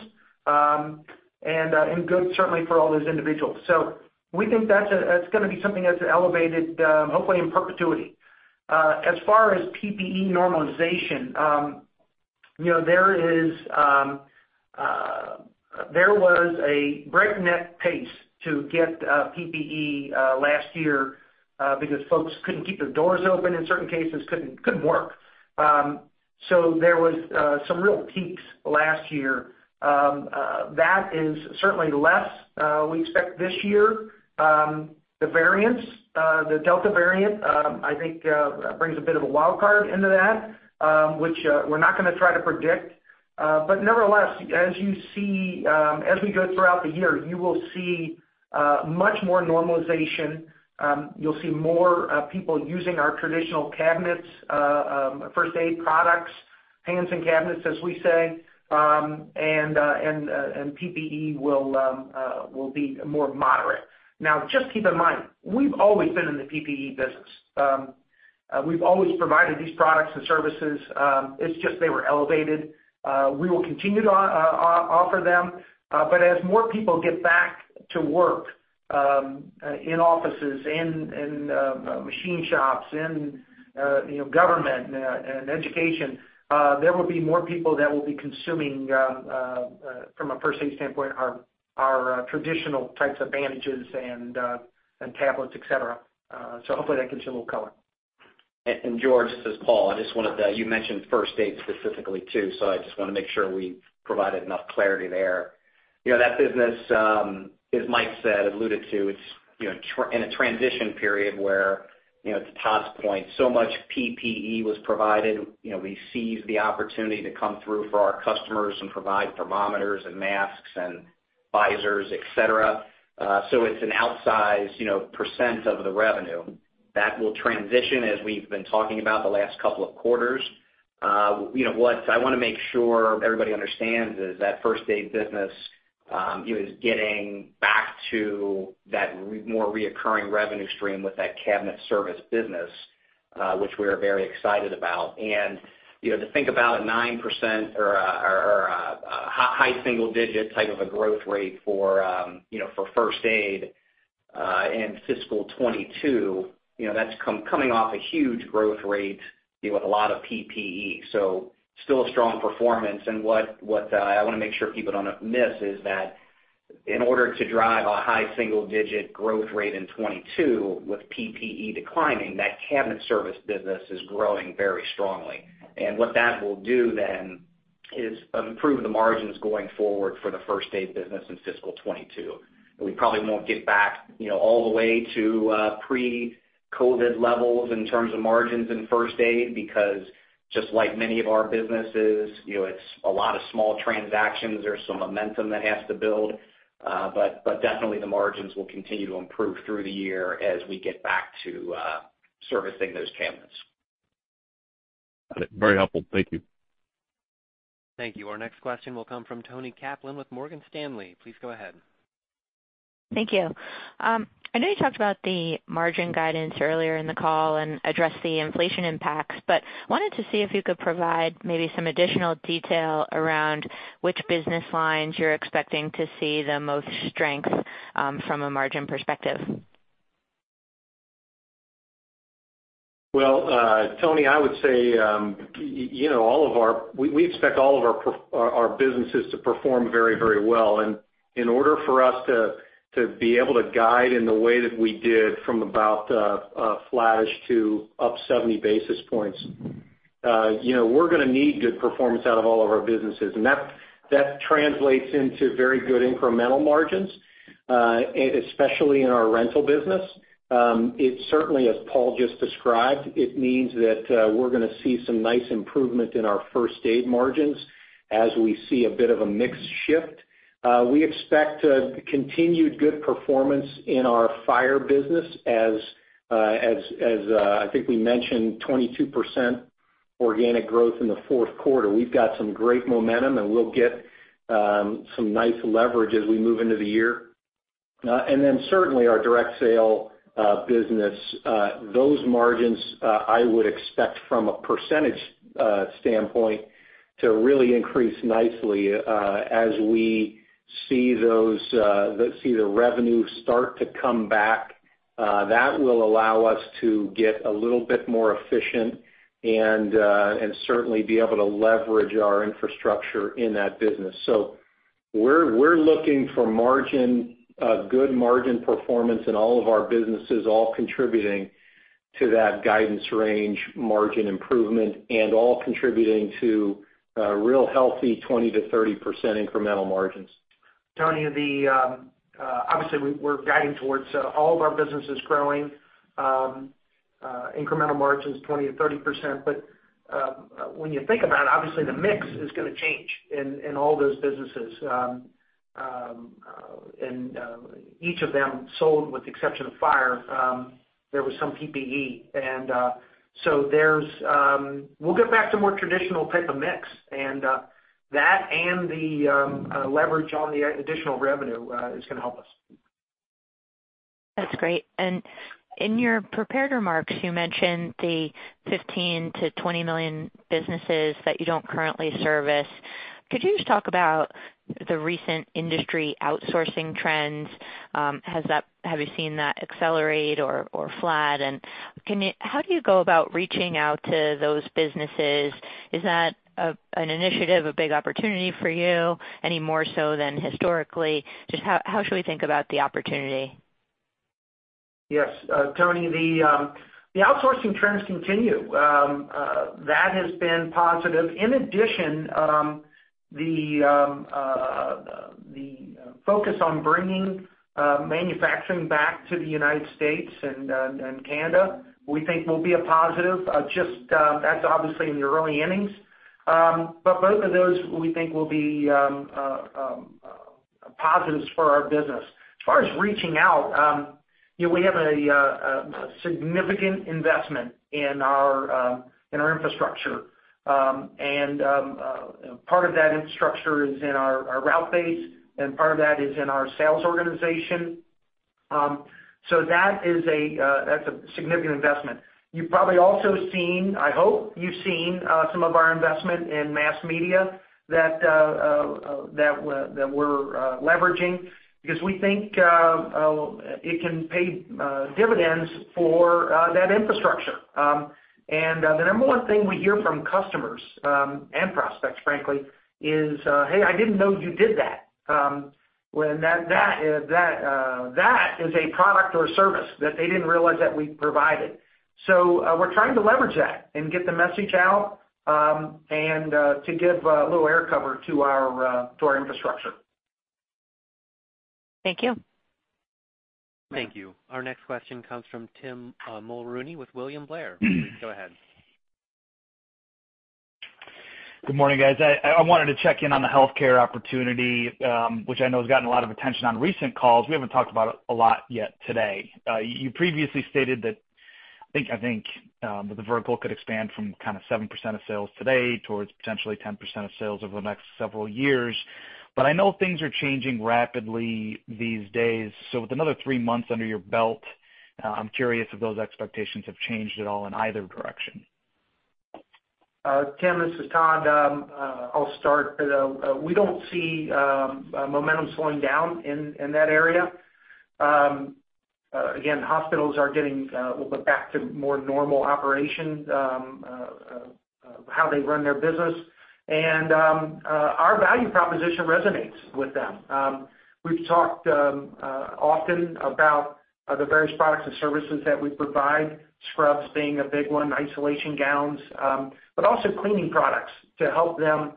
Speaker 4: and good certainly for all those individuals. We think that's going to be something that's elevated, hopefully in perpetuity. As far as PPE normalization, there was a breakneck pace to get PPE last year because folks couldn't keep their doors open in certain cases, couldn't work. There was some real peaks last year. That is certainly less we expect this year. The variants, the Delta variant, I think brings a bit of a wildcard into that, which we're not going to try to predict. Nevertheless, as we go throughout the year, you will see much more normalization. You'll see more people using our traditional cabinets, first aid products hands and cabinets, as we say, and PPE will be more moderate. Just keep in mind, we've always been in the PPE business. We've always provided these products and services, it's just they were elevated. We will continue to offer them, as more people get back to work, in offices, in machine shops, in government and education, there will be more people that will be consuming, from a First Aid standpoint, our traditional types of bandages and tablets, et cetera. Hopefully, that can still color.
Speaker 2: George, this is Paul. You mentioned First Aid specifically, too, so I just want to make sure we provided enough clarity there. That business, as Mike alluded to, it's in a transition period where it's a toss point. Much PPE was provided. We seized the opportunity to come through for our customers and provide thermometers and masks and visors, et cetera. It's an outsized percent of the revenue. That will transition, as we've been talking about the last couple of quarters. What I want to make sure everybody understands is that First Aid business is getting back to that more reoccurring revenue stream with that cabinet service business, which we are very excited about. To think about 9% or high single digits type of a growth rate for First Aid in fiscal 2022, that's coming off a huge growth rate with a lot of PPE. Still a strong performance. What I want to make sure people don't miss is that in order to drive a high single-digit growth rate in 2022 with PPE declining, that cabinet service business is growing very strongly. What that will do then is improve the margins going forward for the first aid business in fiscal 2022. We probably won't get back all the way to pre-COVID levels in terms of margins in first aid, because just like many of our businesses, it's a lot of small transactions. There's some momentum that has to build. Definitely the margins will continue to improve through the year as we get back to servicing those cabinets.
Speaker 10: Very helpful. Thank you.
Speaker 1: Thank you. Our next question will come from Toni Kaplan with Morgan Stanley. Please go ahead.
Speaker 11: Thank you. I know you talked about the margin guidance earlier in the call and addressed the inflation impacts, but wanted to see if you could provide maybe some additional detail around which business lines you're expecting to see the most strength from a margin perspective.
Speaker 3: Well, Toni, I would say, we expect all of our businesses to perform very well. In order for us to be able to guide in the way that we did from about a flash to up 70 basis points, we're going to need good performance out of all of our businesses. That translates into very good incremental margins, especially in our Rental business. It certainly, as Paul just described, it means that we're going to see some nice improvement in our First Aid margins as we see a bit of a mix shift. We expect continued good performance in our Fire business as I think we mentioned, 22% organic growth in the fourth quarter. We've got some great momentum, and we'll get some nice leverage as we move into the year. Certainly our Direct Sale business. Those margins, I would expect from a percentage standpoint, to really increase nicely. As we see the revenue start to come back, that will allow us to get a little bit more efficient and certainly be able to leverage our infrastructure in that business. We're looking for good margin performance in all of our businesses, all contributing to that guidance range, margin improvement, and all contributing to real healthy 20%-30% incremental margins.
Speaker 4: Toni, obviously, we're guiding towards all of our businesses growing, incremental margins 20%-30%. When you think about it, obviously, the mix is going to change in all those businesses. Each of them sold, with the exception of fire, there was some PPE. We'll get back to more traditional pick and mix, and that and the leverage on the additional revenue is going to help us.
Speaker 11: That's great. In your prepared remarks, you mentioned the 15 million-20 million businesses that you don't currently service. Could you just talk about the recent industry outsourcing trends? Have you seen that accelerate or flat? How do you go about reaching out to those businesses? Is that an initiative, a big opportunity for you any more so than historically? Just how should we think about the opportunity?
Speaker 4: Yes, Toni. The outsourcing trends continue. That has been positive. In addition, the focus on bringing manufacturing back to the United States and Canada, we think will be a positive. That's obviously in the early innings. Both of those, we think will be positives for our business. As far as reaching out, we have a significant investment in our infrastructure. Part of that infrastructure is in our route base, and part of that is in our sales organization. That's a significant investment. You've probably also seen, I hope you've seen some of our investment in mass media that we're leveraging because we think it can pay dividends for that infrastructure. The number one thing we hear from customers and prospects, frankly, is, "Hey, I didn't know you did that." That is a product or service that they didn't realize that we provided. We're trying to leverage that and get the message out, and to give a little air cover to our infrastructure.
Speaker 11: Thank you.
Speaker 1: Thank you. Our next question comes from Tim Mulrooney with William Blair. Go ahead.
Speaker 12: Good morning, guys. I wanted to check in on the healthcare opportunity, which I know has gotten a lot of attention on recent calls. We haven't talked about it a lot yet today. You previously stated that, I think, the vertical could expand from 7% of sales today towards potentially 10% of sales over the next several years. I know things are changing rapidly these days. With another three months under your belt, I'm curious if those expectations have changed at all in either direction.
Speaker 4: Tim, this is Todd. I'll start. We don't see momentum slowing down in that area. Hospitals are getting a little bit back to more normal operations of how they run their business. Our value proposition resonates with them. We've talked often about the various products and services that we provide, scrubs being a big one, isolation gowns, but also cleaning products to help them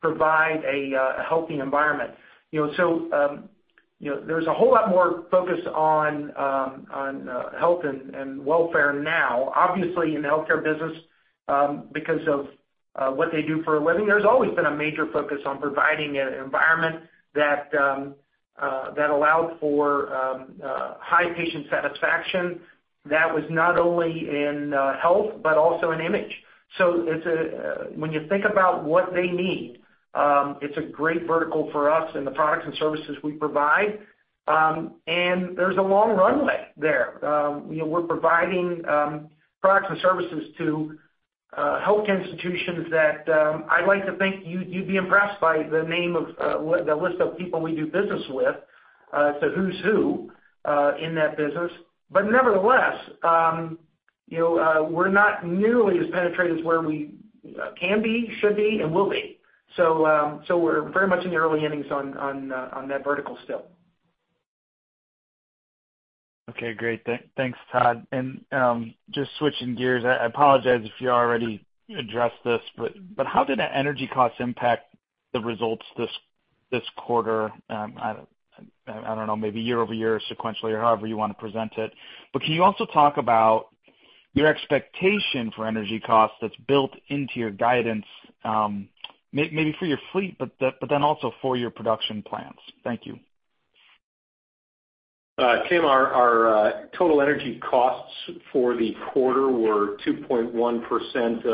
Speaker 4: provide a healthy environment. There's a whole lot more focus on health and welfare now. Obviously, in the healthcare business, because of what they do for a living, there's always been a major focus on providing an environment that allowed for high patient satisfaction that was not only in health but also in image. When you think about what they need, it's a great vertical for us and the products and services we provide. There's a long runway there. We're providing products and services to health institutions that I'd like to think you'd be impressed by the list of people we do business with. It's a who's who in that business. Nevertheless, we're not nearly as penetrated as where we can be, should be, and will be. We're very much in the early innings on that vertical still.
Speaker 12: Okay, great. Thanks, Todd. Just switching gears, I apologize if you already addressed this, how did the energy cost impact the results this quarter? I don't know, maybe year-over-year, sequentially, or however you want to present it. Can you also talk about your expectation for energy cost that's built into your guidance, maybe for your fleet, also for your production plants? Thank you.
Speaker 3: Tim, our total energy costs for the quarter were 2.1%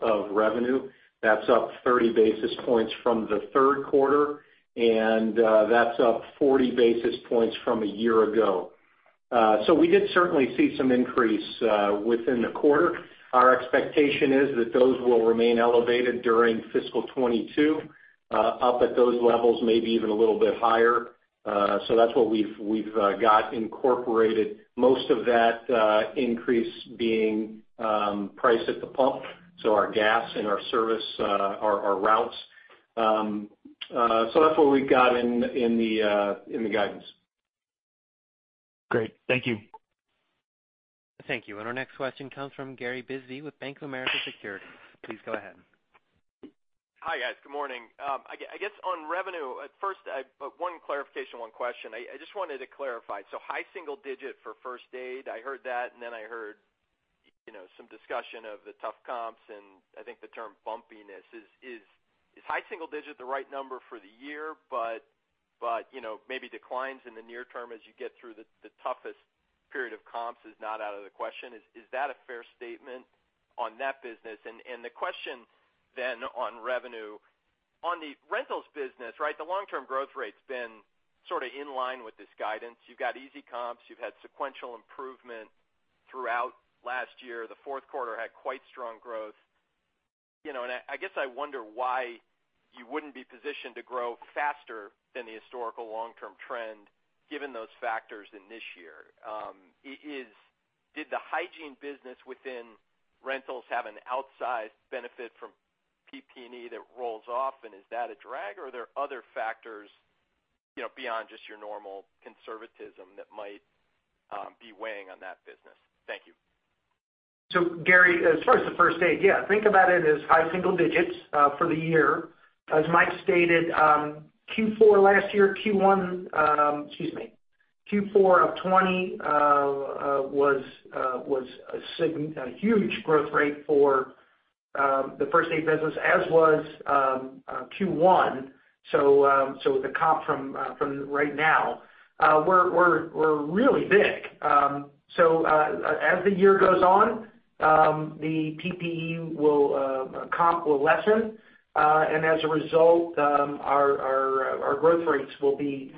Speaker 3: of revenue. That's up 30 basis points from the third quarter, and that's up 40 basis points from a year ago. We did certainly see some increase within the quarter. Our expectation is that those will remain elevated during fiscal 2022, up at those levels, maybe even a little bit higher. That's what we've got incorporated, most of that increase being price at the pump, so our gas and our service, our routes. That's what we've got in the guidance.
Speaker 12: Great. Thank you.
Speaker 1: Thank you. Our next question comes from Gary Bisbee with Bank of America Securities. Please go ahead.
Speaker 13: Hi, guys. Good morning. I guess on revenue, at first, one clarification, one question. I just wanted to clarify. High single-digits for First Aid, I heard that, and then I heard some discussion of the tough comps, and I think the term bumpiness. Is high single-digit the right number for the year, but maybe declines in the near term as you get through the toughest period of comps is not out of the question. Is that a fair statement on that business? The question then on revenue, on the Rentals business, the long-term growth rate's been sort of in line with this guidance. You've got easy comps, you've had sequential improvement throughout last year. The fourth quarter had quite strong growth. I guess I wonder why you wouldn't be positioned to grow faster than the historical long-term trend given those factors in this year. Did the hygiene business within rentals have an outsized benefit from PP&E that rolls off, and is that a drag, or are there other factors beyond just your normal conservatism that might be weighing on that business? Thank you.
Speaker 4: Gary, as far as the first aid, yeah, think about it as high single digits for the year. As Mike stated, Q4 last year, Q4 of 2020 was a huge growth rate for the First Aid business as was Q1. The comp from right now, we're really big. As the year goes on, the PPE comp will lessen. As a result, our growth rates will be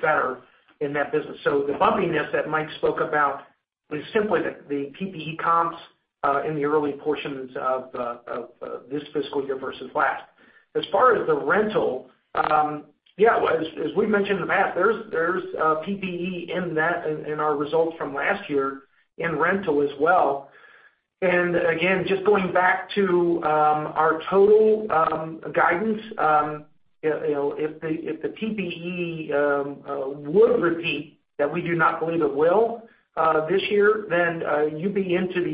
Speaker 4: better in that business. The bumpiness that Mike spoke about is simply the PPE comps in the early portions of this fiscal year versus last. As far as the rental, yeah, as we mentioned in the past, there's PPE in that, in our results from last year in rental as well. Again, just going back to our total guidance, if the PPE would repeat, that we do not believe it will this year, then you'd be into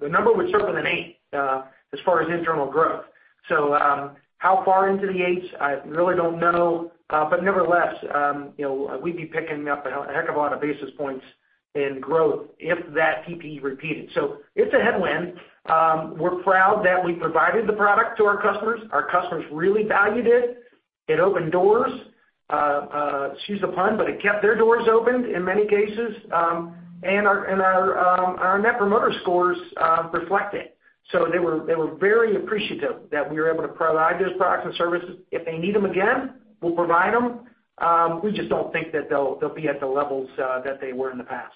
Speaker 4: the number with seven and eight as far as internal growth. How far into the eights? I really don't know. Nevertheless, we'd be picking up a heck of a lot of basis points in growth if that PPE repeated. It's a headwind. We're proud that we provided the product to our customers. Our customers really valued it. It opened doors, excuse the pun, but it kept their doors open in many cases. Our Net Promoter Scores reflect it. They were very appreciative that we were able to provide those products and services. If they need them again, we'll provide them. We just don't think that they'll be at the levels that they were in the past.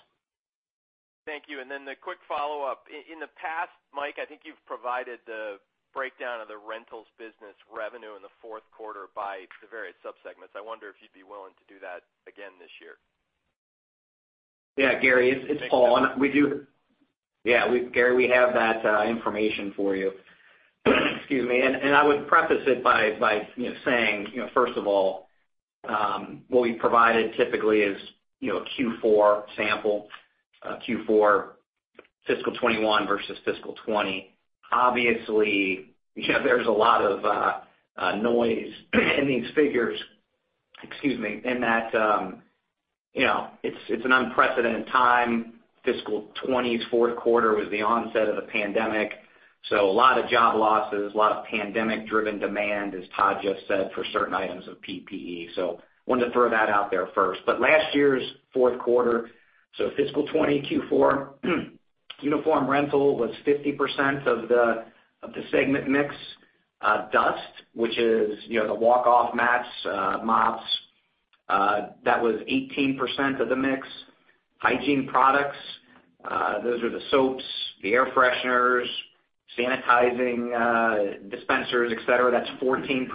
Speaker 13: Thank you. Then the quick follow-up. In the past, Mike, I think you've provided the breakdown of the rentals business revenue in the fourth quarter by the various subsegments. I wonder if you'd be willing to do that again this year?
Speaker 2: Yeah, Gary, it's Paul. We do. Yeah, Gary, we have that information for you. Excuse me. I would preface it by saying, first of all, what we provided typically is Q4 sample, Q4 fiscal 2021 versus fiscal 2020. Obviously, there's a lot of noise in these figures. Excuse me. That it's an unprecedented time. Fiscal 2020's fourth quarter was the onset of the pandemic. A lot of job losses, a lot of pandemic-driven demand, as Todd just said, for certain items of PPE. Wanted to throw that out there first. Last year's fourth quarter, fiscal 2020 Q4 uniform rental was 50% of the segment mix. Dust, which is the walk-off mats, mops, that was 18% of the mix. Hygiene products, those are the soaps, the air fresheners, sanitizing dispensers, et cetera, that's 14%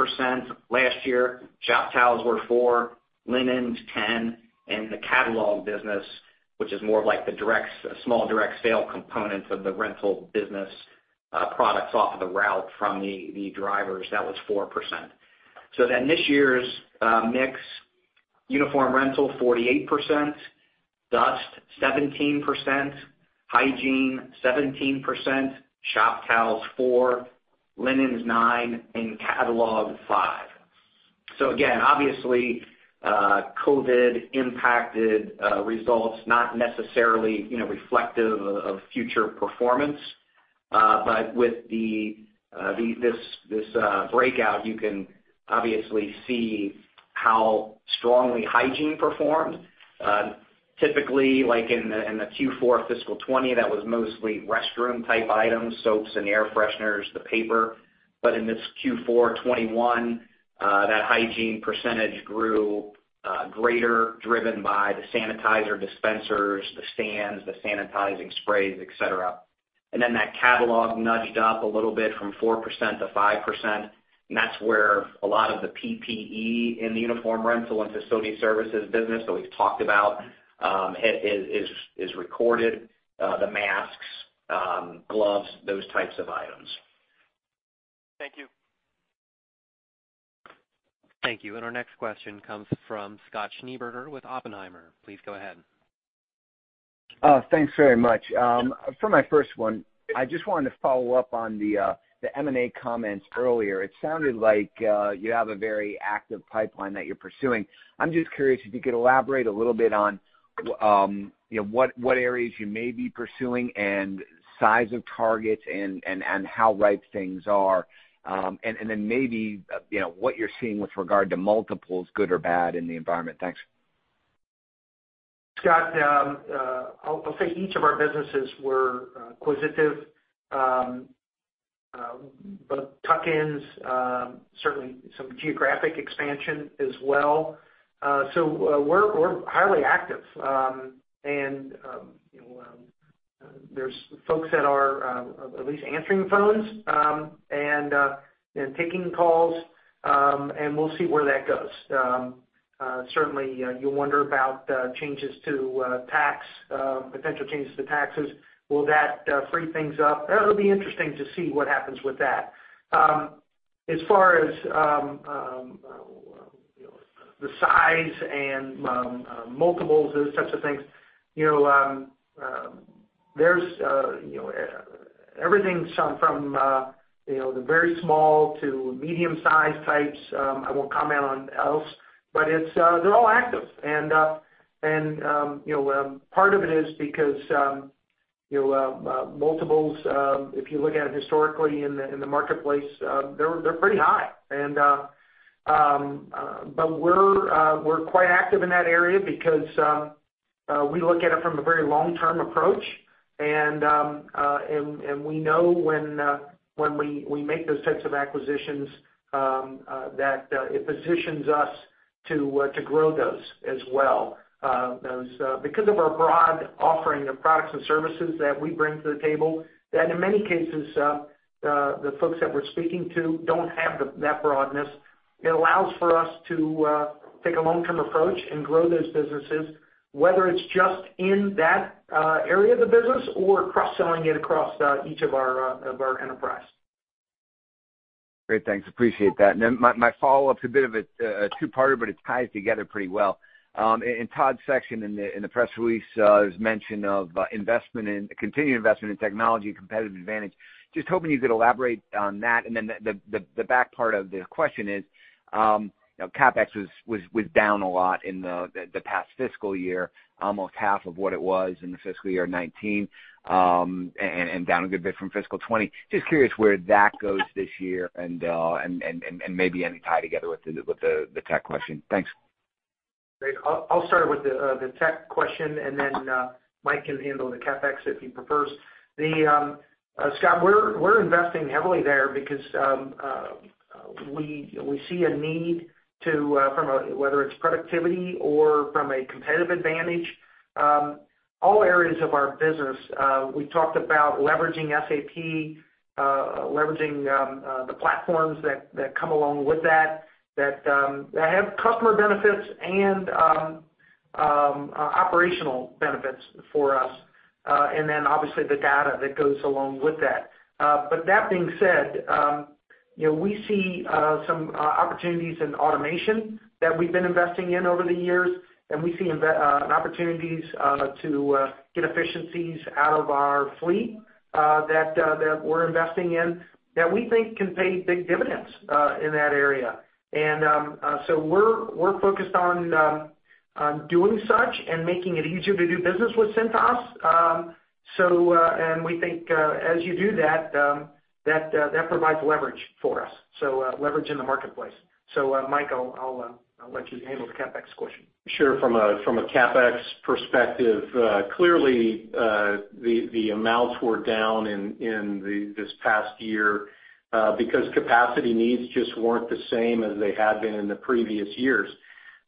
Speaker 2: last year. Shop towels were 4%, linens 10%, and the catalog business, which is more of like the small direct sale components of the rental business, products off of the route from the drivers, that was 4%. This year's mix, uniform rental 48%, dust 17%, hygiene 17%, shop towels 4%, linens 9%, and catalog 5%. Again, obviously, COVID impacted results, not necessarily reflective of future performance. With this breakout, you can obviously see how strongly hygiene performed. Typically, in the Q4 fiscal 2020, that was mostly restroom-type items, soaps and air fresheners, the paper. In this Q4 2021, that hygiene percentage grew greater, driven by the sanitizer dispensers, the stands, the sanitizing sprays, et cetera. That catalog nudged up a little bit from 4%-5%, and that's where a lot of the PPE in the Uniform Rental and Facility Services business that we've talked about is recorded, the masks, gloves, those types of items.
Speaker 13: Thank you.
Speaker 1: Thank you. Our next question comes from Scott Schneeberger with Oppenheimer. Please go ahead.
Speaker 14: Thanks very much. For my first one, I just wanted to follow up on the M&A comments earlier. It sounded like you have a very active pipeline that you're pursuing. I'm just curious if you could elaborate a little bit on what areas you may be pursuing and size of targets and how ripe things are. Then maybe what you're seeing with regard to multiples, good or bad, in the environment. Thanks.
Speaker 4: Scott, I'll say each of our businesses we're acquisitive, both tuck-ins, certainly some geographic expansion as well. We're highly active. There's folks that are at least answering phones and taking calls, and we'll see where that goes. Certainly, you wonder about potential changes to taxes. Will that free things up? That'll be interesting to see what happens with that. As far as the size and multiples, those types of things, everything from the very small to medium-sized types, I won't comment on else, but they're all active. Part of it is because multiples, if you look at it historically in the marketplace, they're pretty high. We're quite active in that area because we look at it from a very long-term approach, and we know when we make those types of acquisitions that it positions us to grow those as well. Because of our broad offering of products and services that we bring to the table, that in many cases, the folks that we're speaking to don't have that broadness. It allows for us to take a long-term approach and grow those businesses, whether it's just in that area of the business or cross-selling it across each of our enterprise.
Speaker 14: Great. Thanks. Appreciate that. My follow-up's a bit of a two-parter, but it ties together pretty well. In Todd's section in the press release, there was mention of continued investment in technology and competitive advantage. Just hoping you could elaborate on that. Then the back part of the question is, CapEx was down a lot in the past fiscal year, almost half of what it was in fiscal year 2019, and down a bit from fiscal 2020. Just curious where that goes this year and maybe any tie together with the tech question. Thanks.
Speaker 4: Great. I'll start with the tech question, and then Mike can handle the CapEx if he prefers. Scott, we're investing heavily there because we see a need to, whether it's productivity or from a competitive advantage. All areas of our business, we talked about leveraging SAP, leveraging the platforms that come along with that have customer benefits and operational benefits for us, and then obviously the data that goes along with that. That being said, we see some opportunities in automation that we've been investing in over the years, and we see opportunities to get efficiencies out of our fleet that we're investing in that we think can pay big dividends in that area. We're focused on doing such and making it easier to do business with Cintas. We think as you do that provides leverage for us. Leverage in the marketplace. Mike, I'll let you handle the CapEx question.
Speaker 3: Sure. From a CapEx perspective, clearly the amounts were down in this past year because capacity needs just weren't the same as they had been in the previous years.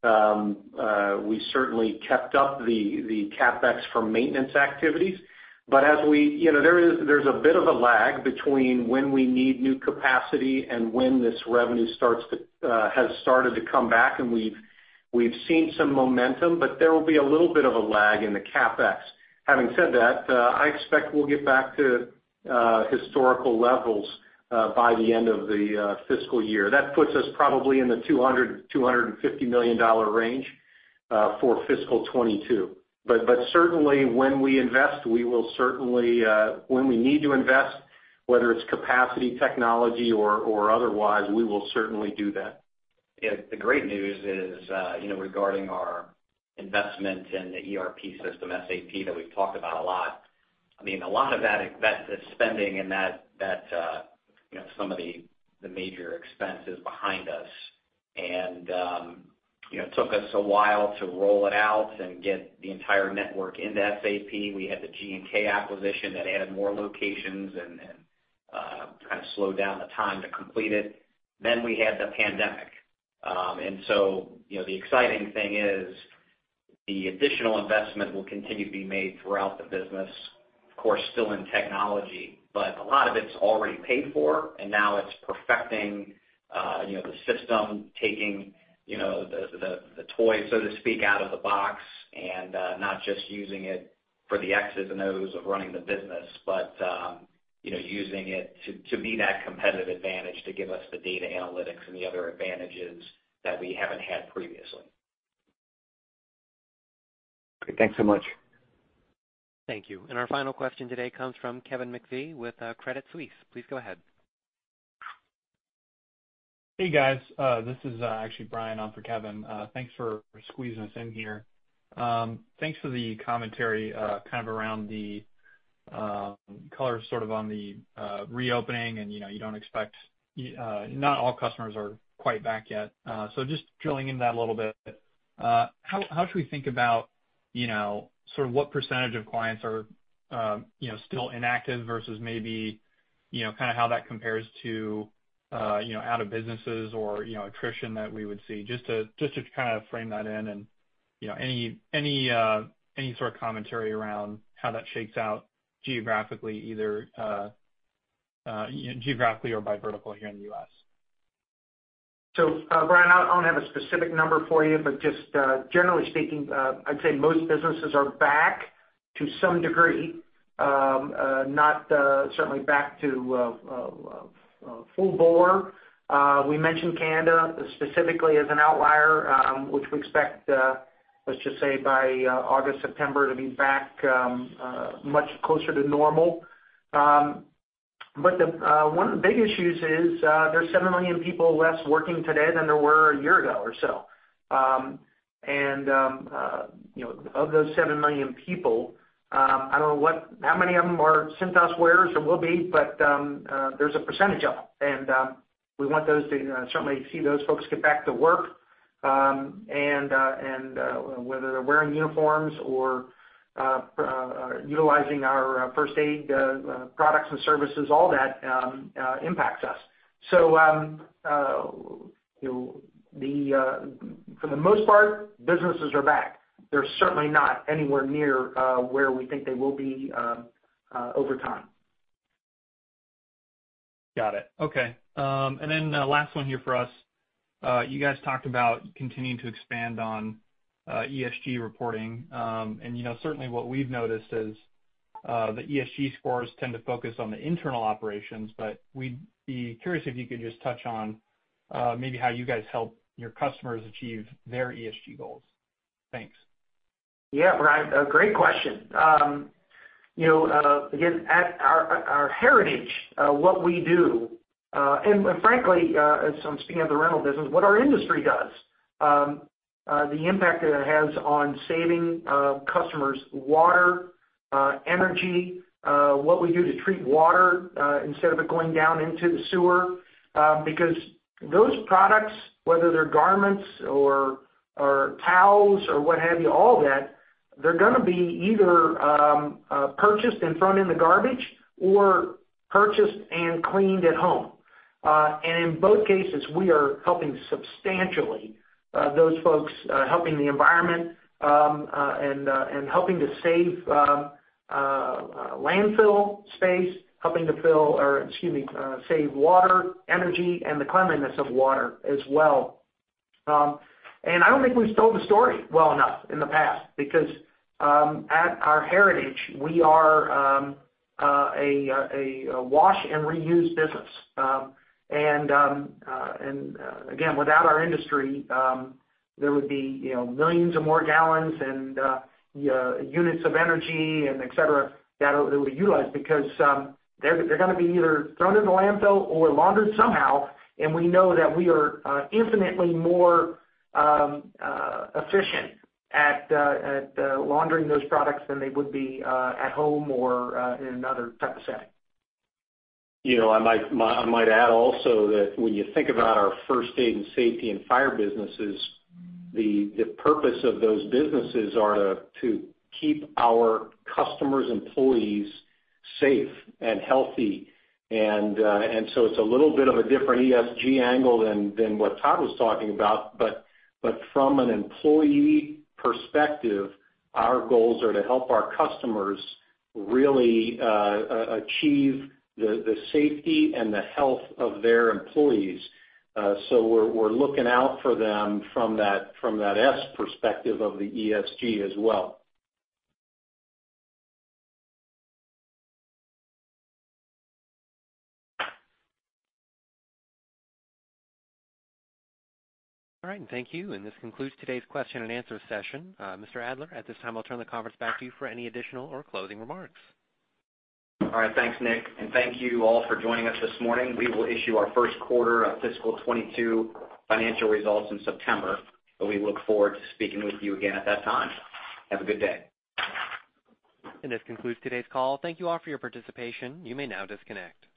Speaker 3: We certainly kept up the CapEx for maintenance activities. There's a bit of a lag between when we need new capacity and when this revenue has started to come back, and we've seen some momentum, but there will be a little bit of a lag in the CapEx. Having said that, I expect we'll get back to historical levels by the end of the fiscal year. That puts us probably in the $200 million-$250 million range for fiscal 2022. Certainly when we need to invest, whether it's capacity, technology or otherwise, we will certainly do that. The great news is regarding our investments in the ERP system, SAP, that we talk about a lot. A lot of that spending and some of the major expense is behind us. It took us a while to roll it out and get the entire network into SAP. We had the G&K acquisition that added more locations and kind of slowed down the time to complete it. We had the pandemic. The exciting thing is the additional investment will continue to be made throughout the business, of course still in technology, but a lot of it's already paid for, and now it's perfecting the system, taking the toy, so to speak, out of the box and not just using it for the X's and O's of running the business, but using it to be that competitive advantage to give us the data analytics and the other advantages that we haven't had previously.
Speaker 14: Great. Thanks so much.
Speaker 4: Thank you.
Speaker 1: Our final question today comes from Kevin McVeigh with Credit Suisse. Please go ahead.
Speaker 15: Hey guys, this is actually Brian on for Kevin. Thanks for squeezing us in here. Thanks for the commentary kind of around the color sort of on the reopening and not all customers are quite back yet. Just drilling into that a little bit. How should we think about sort of what percentage of clients are still inactive versus maybe kind of how that compares to out of businesses or attrition that we would see? Just to kind of frame that in and any sort of commentary around how that shakes out geographically or by vertical here in the U.S.
Speaker 4: Brian, I don't have a specific number for you, but just generally speaking, I'd say most businesses are back to some degree. Not certainly back to full bore. We mentioned Canada specifically as an outlier, which we expect, let's just say by August, September, to be back much closer to normal. One of the big issues is there's 7 million people less working today than there were a year ago or so. Of those 7 million people, I don't know how many of them are Cintas wearers or will be, but there's a percentage of them, and we want those to certainly see those folks get back to work, and whether they're wearing uniforms or utilizing our first aid products and services, all that impacts us. For the most part, businesses are back. They're certainly not anywhere near where we think they will be over time.
Speaker 15: Got it. Okay. The last one here for us, you guys talked about continuing to expand on ESG reporting. Certainly what we've noticed is that ESG scores tend to focus on the internal operations, we'd be curious if you could just touch on maybe how you guys help your customers achieve their ESG goals. Thanks.
Speaker 4: Yeah, Brian, great question. At our heritage, what we do, and frankly, as I'm speaking of the rental business, what our industry does. The impact that it has on saving customers water, energy, what we do to treat water instead of it going down into the sewer. Those products, whether they're garments or towels or what have you, all that, they're going to be either purchased and thrown in the garbage or purchased and cleaned at home. In both cases, we are helping substantially those folks, helping the environment, and helping to save landfill space, helping to save water, energy, and the cleanliness of water as well. I don't think we've told the story well enough in the past, because at our heritage, we are a wash and reuse business. Again, without our industry, there would be millions of more gallons and units of energy and et cetera that would be utilized because they're going to be either thrown in a landfill or laundered somehow. We know that we are infinitely more efficient at laundering those products than they would be at home or in another type of setting.
Speaker 3: I might add also that when you think about our First Aid and Safety Services and Fire Protection Services, the purpose of those businesses are to keep our customers' employees safe and healthy. So it's a little bit of a different ESG angle than what Todd was talking about. From an employee perspective, our goals are to help our customers really achieve the safety and the health of their employees. We're looking out for them from that S perspective of the ESG as well.
Speaker 1: All right. Thank you. This concludes today's question and answer session. Mr. Adler, at this time, I'll turn the conference back to you for any additional or closing remarks.
Speaker 2: All right. Thanks, Nick, and thank you all for joining us this morning. We will issue our first quarter of fiscal 2022 financial results in September, and we look forward to speaking with you again at that time. Have a good day.
Speaker 1: This concludes today's call. Thank you all for your participation. You may now disconnect.